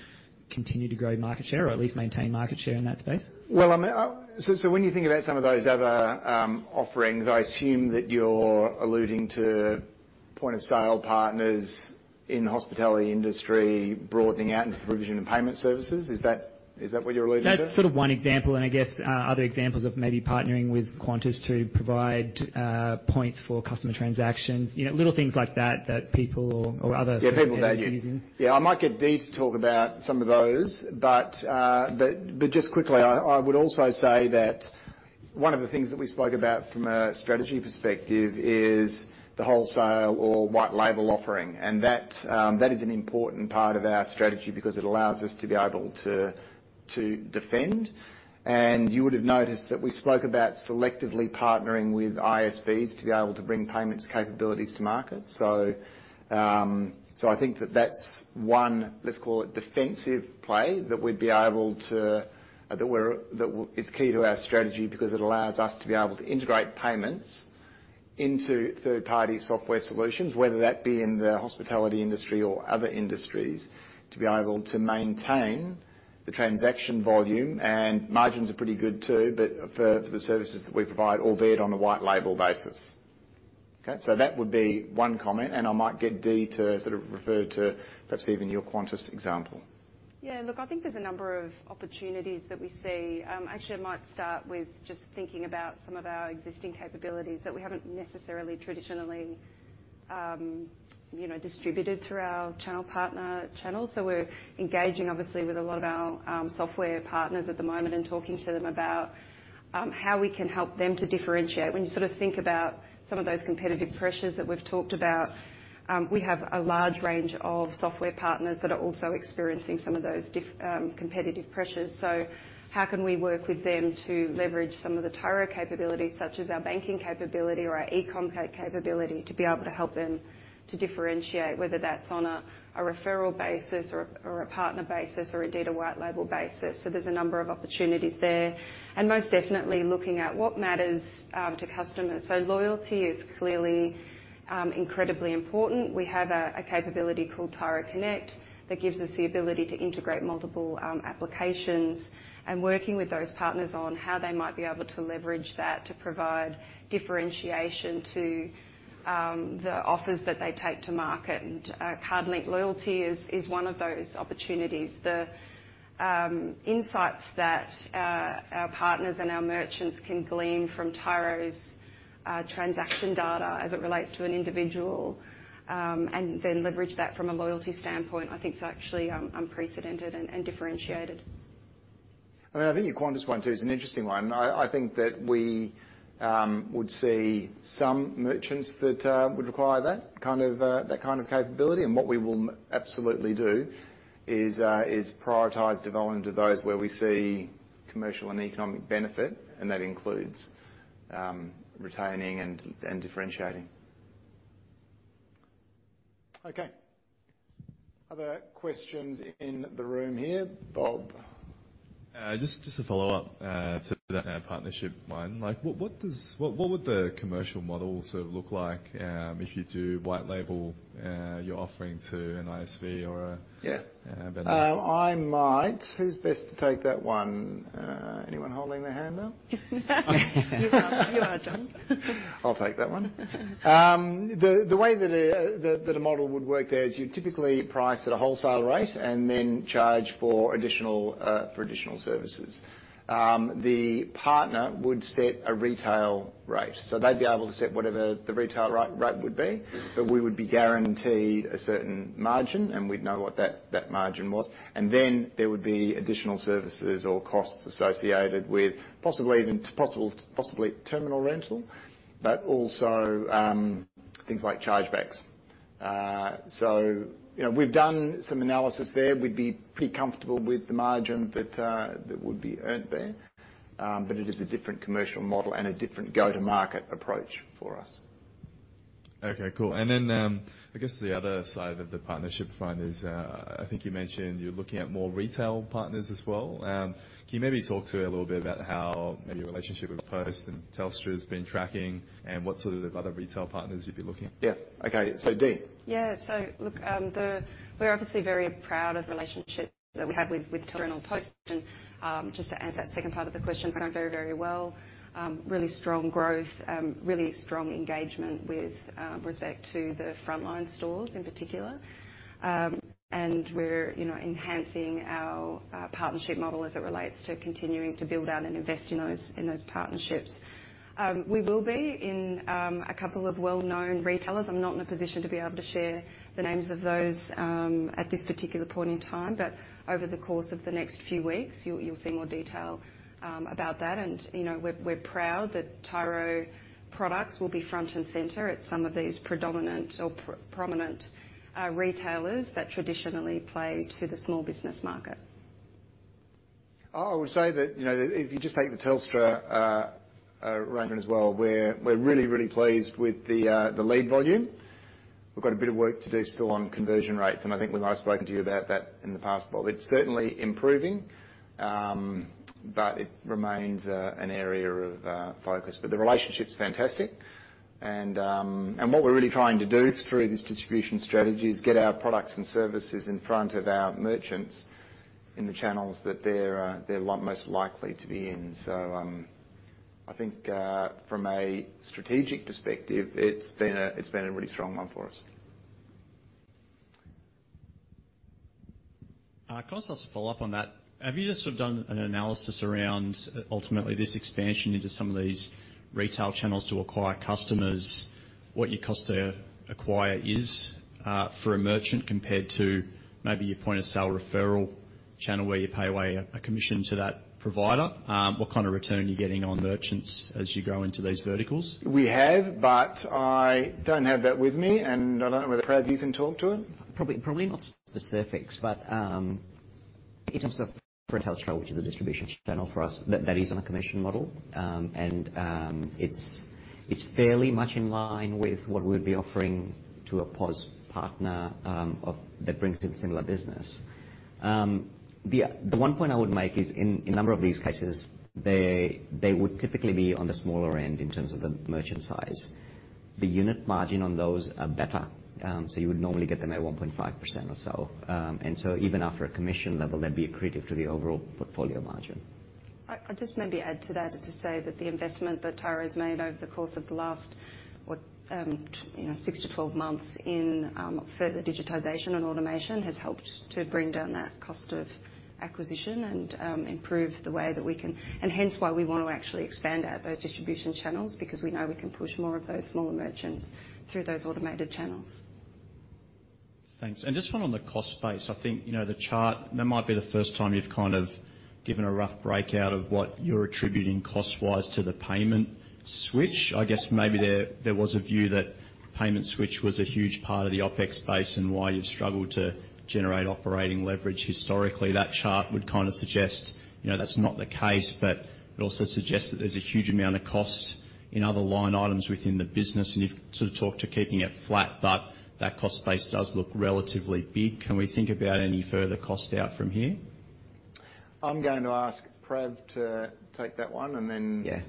Speaker 15: continue to grow market share or at least maintain market share in that space?
Speaker 1: Well, I mean, so when you think about some of those other offerings, I assume that you're alluding to point-of-sale partners in the hospitality industry broadening out into provision and payment services. Is that what you're alluding to?
Speaker 15: That's sort of one example, and I guess, other examples of maybe partnering with Qantas to provide points for customer transactions. You know, little things like that, that people or other-
Speaker 1: Yeah, people value.
Speaker 15: companies are using.
Speaker 1: Yeah, I might get Dee to talk about some of those, but, but just quickly, I would also say that one of the things that we spoke about from a strategy perspective is the wholesale or white label offering, and that, that is an important part of our strategy because it allows us to be able to, to defend. And you would have noticed that we spoke about selectively partnering with ISVs to be able to bring payments capabilities to market. So, so I think that that's one, let's call it, defensive play, that we'd be able to, that we're, is key to our strategy because it allows us to be able to integrate payments into third-party software solutions, whether that be in the hospitality industry or other industries, to be able to maintain the transaction volume. Margins are pretty good, too, but for the services that we provide, albeit on a white label basis. Okay, so that would be one comment, and I might get Dee to sort of refer to perhaps even your Qantas example.
Speaker 3: Yeah, look, I think there's a number of opportunities that we see. Actually, I might start with just thinking about some of our existing capabilities that we haven't necessarily traditionally, you know, distributed through our channel partner channels. So we're engaging, obviously, with a lot of our software partners at the moment and talking to them about how we can help them to differentiate. When you sort of think about some of those competitive pressures that we've talked about, we have a large range of software partners that are also experiencing some of those competitive pressures. So how can we work with them to leverage some of the Tyro capabilities, such as our banking capability or our eCom capability, to be able to help them to differentiate, whether that's on a referral basis or a partner basis or indeed a white label basis? So there's a number of opportunities there. And most definitely looking at what matters to customers. So loyalty is clearly incredibly important. We have a capability called Tyro Connect that gives us the ability to integrate multiple applications, and working with those partners on how they might be able to leverage that to provide differentiation to the offers that they take to market. And card-linked loyalty is one of those opportunities. The insights that our partners and our merchants can glean from Tyro's transaction data as it relates to an individual and then leverage that from a loyalty standpoint, I think is actually unprecedented and differentiated.
Speaker 1: I think your Qantas one, too, is an interesting one. I think that we would see some merchants that would require that kind of capability. And what we will absolutely do is prioritize developing to those where we see commercial and economic benefit, and that includes retaining and differentiating. Okay. Other questions in the room here? Bob.
Speaker 9: Just, just to follow up to the partnership one. Like, what, what does, what would the commercial model sort of look like, if you do white label your offering to an ISV or a-
Speaker 1: Yeah.
Speaker 9: Uh, vendor.
Speaker 1: I might. Who's best to take that one? Anyone holding their hand up?
Speaker 3: You are. You are, Jon.
Speaker 1: I'll take that one. The way that a model would work there is you typically price at a wholesale rate and then charge for additional services. The partner would set a retail rate, so they'd be able to set whatever the retail rate would be, but we would be guaranteed a certain margin, and we'd know what that margin was. And then there would be additional services or costs associated with possibly terminal rental, but also things like chargebacks. So, you know, we've done some analysis there. We'd be pretty comfortable with the margin that would be earned there. But it is a different commercial model and a different go-to-market approach for us.
Speaker 9: Okay, cool. And then, I guess the other side of the partnership front is, I think you mentioned you're looking at more retail partners as well. Can you maybe talk to me a little bit about how maybe your relationship with Post and Telstra has been tracking, and what sort of other retail partners you'd be looking at?
Speaker 1: Yeah. Okay. So, Dee?
Speaker 3: Yeah. So look, we're obviously very proud of the relationship that we have with, with Telstra and Post. Just to answer that second part of the question, it's going very, very well. Really strong growth, really strong engagement with, respect to the frontline stores in particular. And we're, you know, enhancing our, partnership model as it relates to continuing to build out and invest in those, in those partnerships. We will be in, a couple of well-known retailers. I'm not in a position to be able to share the names of those, at this particular point in time. But over the course of the next few weeks, you'll see more detail about that, and, you know, we're proud that Tyro products will be front and center at some of these prominent retailers that traditionally play to the small business market.
Speaker 1: I would say that, you know, if you just take the Telstra arrangement as well, we're, we're really, really pleased with the the lead volume. We've got a bit of work to do still on conversion rates, and I think we've maybe spoken to you about that in the past, Bob. It's certainly improving, but it remains an area of focus. But the relationship's fantastic, and and what we're really trying to do through this distribution strategy is get our products and services in front of our merchants in the channels that they're they're most likely to be in. So, I think, from a strategic perspective, it's been a, it's been a really strong one for us.
Speaker 10: Can I just follow up on that? Have you just sort of done an analysis around ultimately, this expansion into some of these retail channels to acquire customers, what your cost to acquire is, for a merchant, compared to maybe your point-of-sale referral channel, where you pay away a commission to that provider? What kind of return are you getting on merchants as you go into these verticals?
Speaker 1: We have, but I don't have that with me, and I don't know whether, Prav, you can talk to it.
Speaker 7: Probably, probably not specifics, but in terms of retail, which is a distribution channel for us, that that is on a commission model. And it's fairly much in line with what we'd be offering to a POS partner that brings in similar business. The one point I would make is, in a number of these cases, they would typically be on the smaller end in terms of the merchant size. The unit margin on those are better, so you would normally get them at 1.5% or so. And so even after a commission level, they'd be accretive to the overall portfolio margin.
Speaker 3: I'll just maybe add to that, is to say that the investment that Tyro's made over the course of the last, what, you know, six-12 months in further digitization and automation has helped to bring down that cost of acquisition and improve the way that we can. And hence why we want to actually expand out those distribution channels, because we know we can push more of those smaller merchants through those automated channels.
Speaker 10: Thanks. And just one on the cost base. I think, you know, the chart, that might be the first time you've kind of given a rough breakout of what you're attributing cost-wise to the payment switch. I guess maybe there was a view that payment switch was a huge part of the OpEx base and why you've struggled to generate operating leverage. Historically, that chart would kind of suggest, you know, that's not the case, but it also suggests that there's a huge amount of costs in other line items within the business, and you've sort of talked to keeping it flat, but that cost base does look relatively big. Can we think about any further cost out from here?
Speaker 1: I'm going to ask Prav to take that one, and then-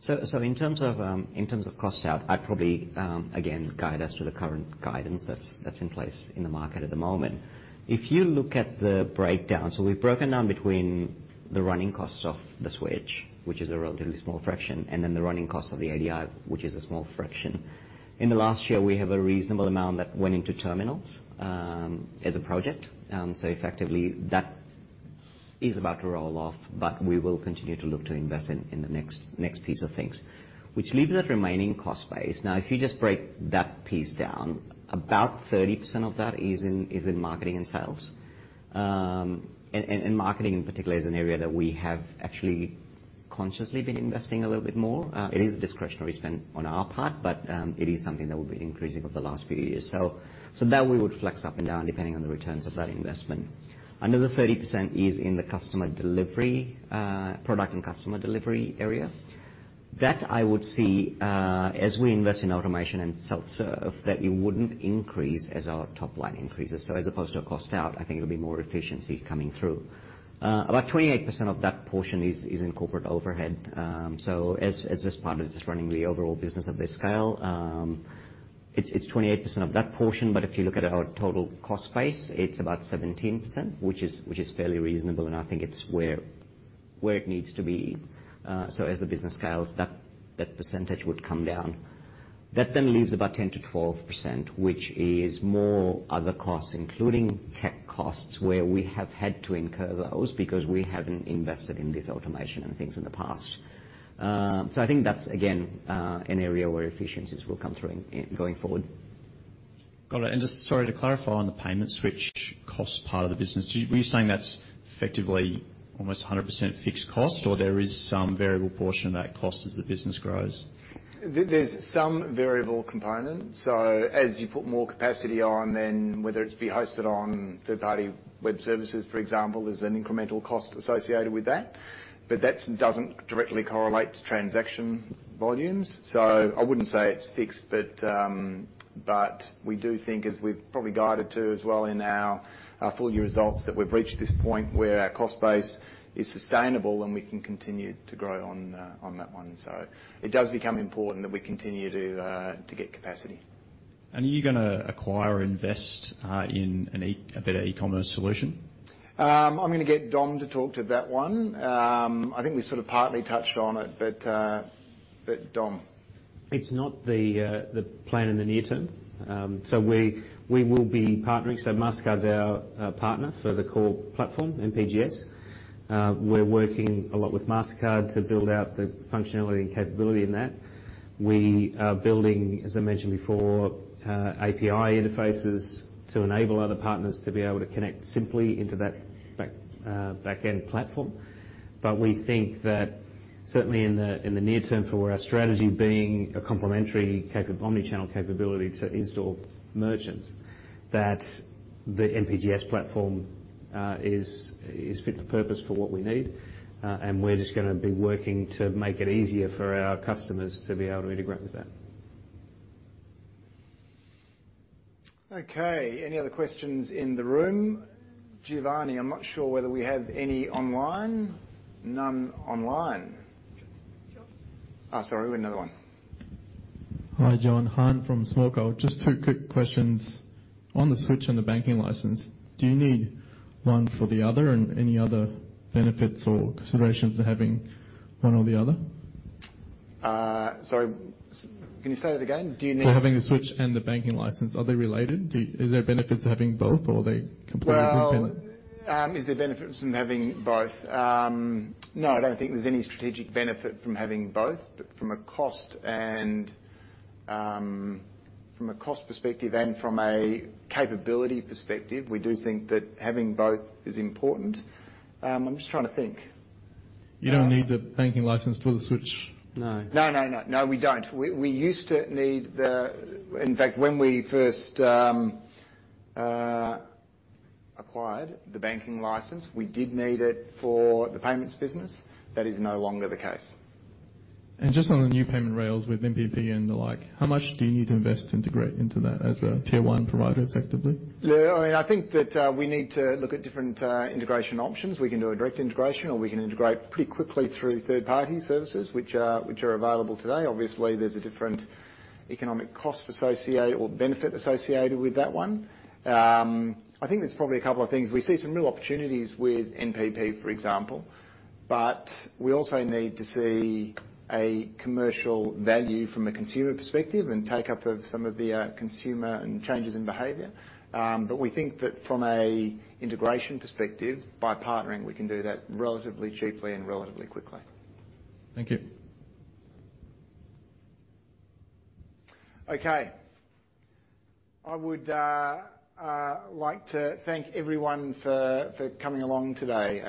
Speaker 7: Yeah. So in terms of cost out, I'd probably again guide us to the current guidance that's in place in the market at the moment. If you look at the breakdown, so we've broken down between the running costs of the switch, which is a relatively small fraction, and then the running cost of the ADI, which is a small fraction. In the last year, we have a reasonable amount that went into terminals as a project. So effectively, that is about to roll off, but we will continue to look to invest in the next piece of things. Which leaves that remaining cost base. Now, if you just break that piece down, about 30% of that is in marketing and sales. And marketing in particular is an area that we have actually consciously been investing a little bit more. It is a discretionary spend on our part, but it is something that we've been increasing over the last few years. So that we would flex up and down, depending on the returns of that investment. Another 30% is in the customer delivery, product and customer delivery area. That I would see, as we invest in automation and self-serve, that it wouldn't increase as our top line increases. So as opposed to a cost out, I think it'll be more efficiency coming through. About 28% of that portion is in corporate overhead. So as this part is just running the overall business of this scale, it's 28% of that portion, but if you look at our total cost base, it's about 17%, which is fairly reasonable, and I think it's where it needs to be. So as the business scales, that percentage would come down. That then leaves about 10%-12%, which is more other costs, including tech costs, where we have had to incur those because we haven't invested in this automation and things in the past. So I think that's, again, an area where efficiencies will come through going forward.
Speaker 10: Got it. And just sorry, to clarify on the payment switch cost part of the business, were you saying that's effectively almost 100% fixed cost, or there is some variable portion of that cost as the business grows?
Speaker 1: There, there's some variable component. So as you put more capacity on, then whether it's being hosted on third-party web services, for example, there's an incremental cost associated with that. But that doesn't directly correlate to transaction volumes. So I wouldn't say it's fixed, but, but we do think, as we've probably guided to as well in our full year results, that we've reached this point where our cost base is sustainable, and we can continue to grow on, on that one. So it does become important that we continue to, to get capacity.
Speaker 10: Are you gonna acquire or invest in a better e-commerce solution?
Speaker 1: I'm gonna get Dom to talk to that one. I think we sort of partly touched on it, but Dom.
Speaker 5: It's not the plan in the near term. So we will be partnering, so Mastercard's our partner for the core platform, MPGS. We're working a lot with Mastercard to build out the functionality and capability in that. We are building, as I mentioned before, API interfaces to enable other partners to be able to connect simply into that back-end platform. But we think that certainly in the near term for our strategy being a complementary omni-channel capability to in-store merchants, that the MPGS platform is fit for purpose for what we need. And we're just gonna be working to make it easier for our customers to be able to integrate with that.
Speaker 1: Okay, any other questions in the room? Giovanni, I'm not sure whether we have any online. None online. Jon. Ah, sorry. We have another one.
Speaker 16: Hi, Jon. Han from SmallCo. Just two quick questions. On the switch and the banking license, do you need one for the other? And any other benefits or considerations for having one or the other?
Speaker 1: Sorry, can you say that again? Do you need-
Speaker 16: So having the switch and the banking license, are they related? Is there benefits of having both, or are they complementary dependent?
Speaker 1: Well, is there benefits from having both? No, I don't think there's any strategic benefit from having both. But from a cost and, from a cost perspective and from a capability perspective, we do think that having both is important. I'm just trying to think.
Speaker 16: You don't need the banking license for the switch?
Speaker 5: No.
Speaker 1: No, no, no. No, we don't. We used to need the, In fact, when we first acquired the banking license, we did need it for the payments business. That is no longer the case.
Speaker 16: Just on the new payment rails with NPP and the like, how much do you need to invest to integrate into that as a tier one provider, effectively?
Speaker 1: Yeah, I mean, I think that we need to look at different integration options. We can do a direct integration, or we can integrate pretty quickly through third-party services, which are available today. Obviously, there's a different economic cost associated or benefit associated with that one. I think there's probably a couple of things. We see some real opportunities with NPP, for example, but we also need to see a commercial value from a consumer perspective and take up of some of the consumer and changes in behavior. But we think that from a integration perspective, by partnering, we can do that relatively cheaply and relatively quickly.
Speaker 16: Thank you.
Speaker 1: Okay. I would like to thank everyone for coming along today.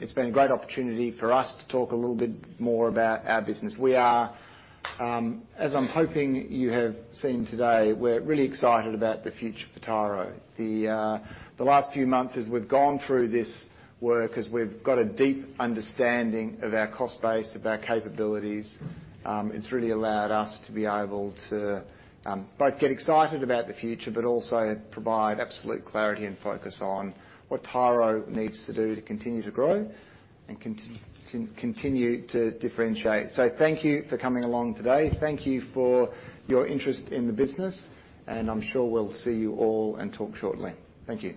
Speaker 1: It's been a great opportunity for us to talk a little bit more about our business. We are, as I'm hoping you have seen today, we're really excited about the future for Tyro. The last few months, as we've gone through this work, as we've got a deep understanding of our cost base, of our capabilities, it's really allowed us to be able to both get excited about the future, but also provide absolute clarity and focus on what Tyro needs to do to continue to grow and continue to differentiate. So thank you for coming along today. Thank you for your interest in the business, and I'm sure we'll see you all and talk shortly. Thank you.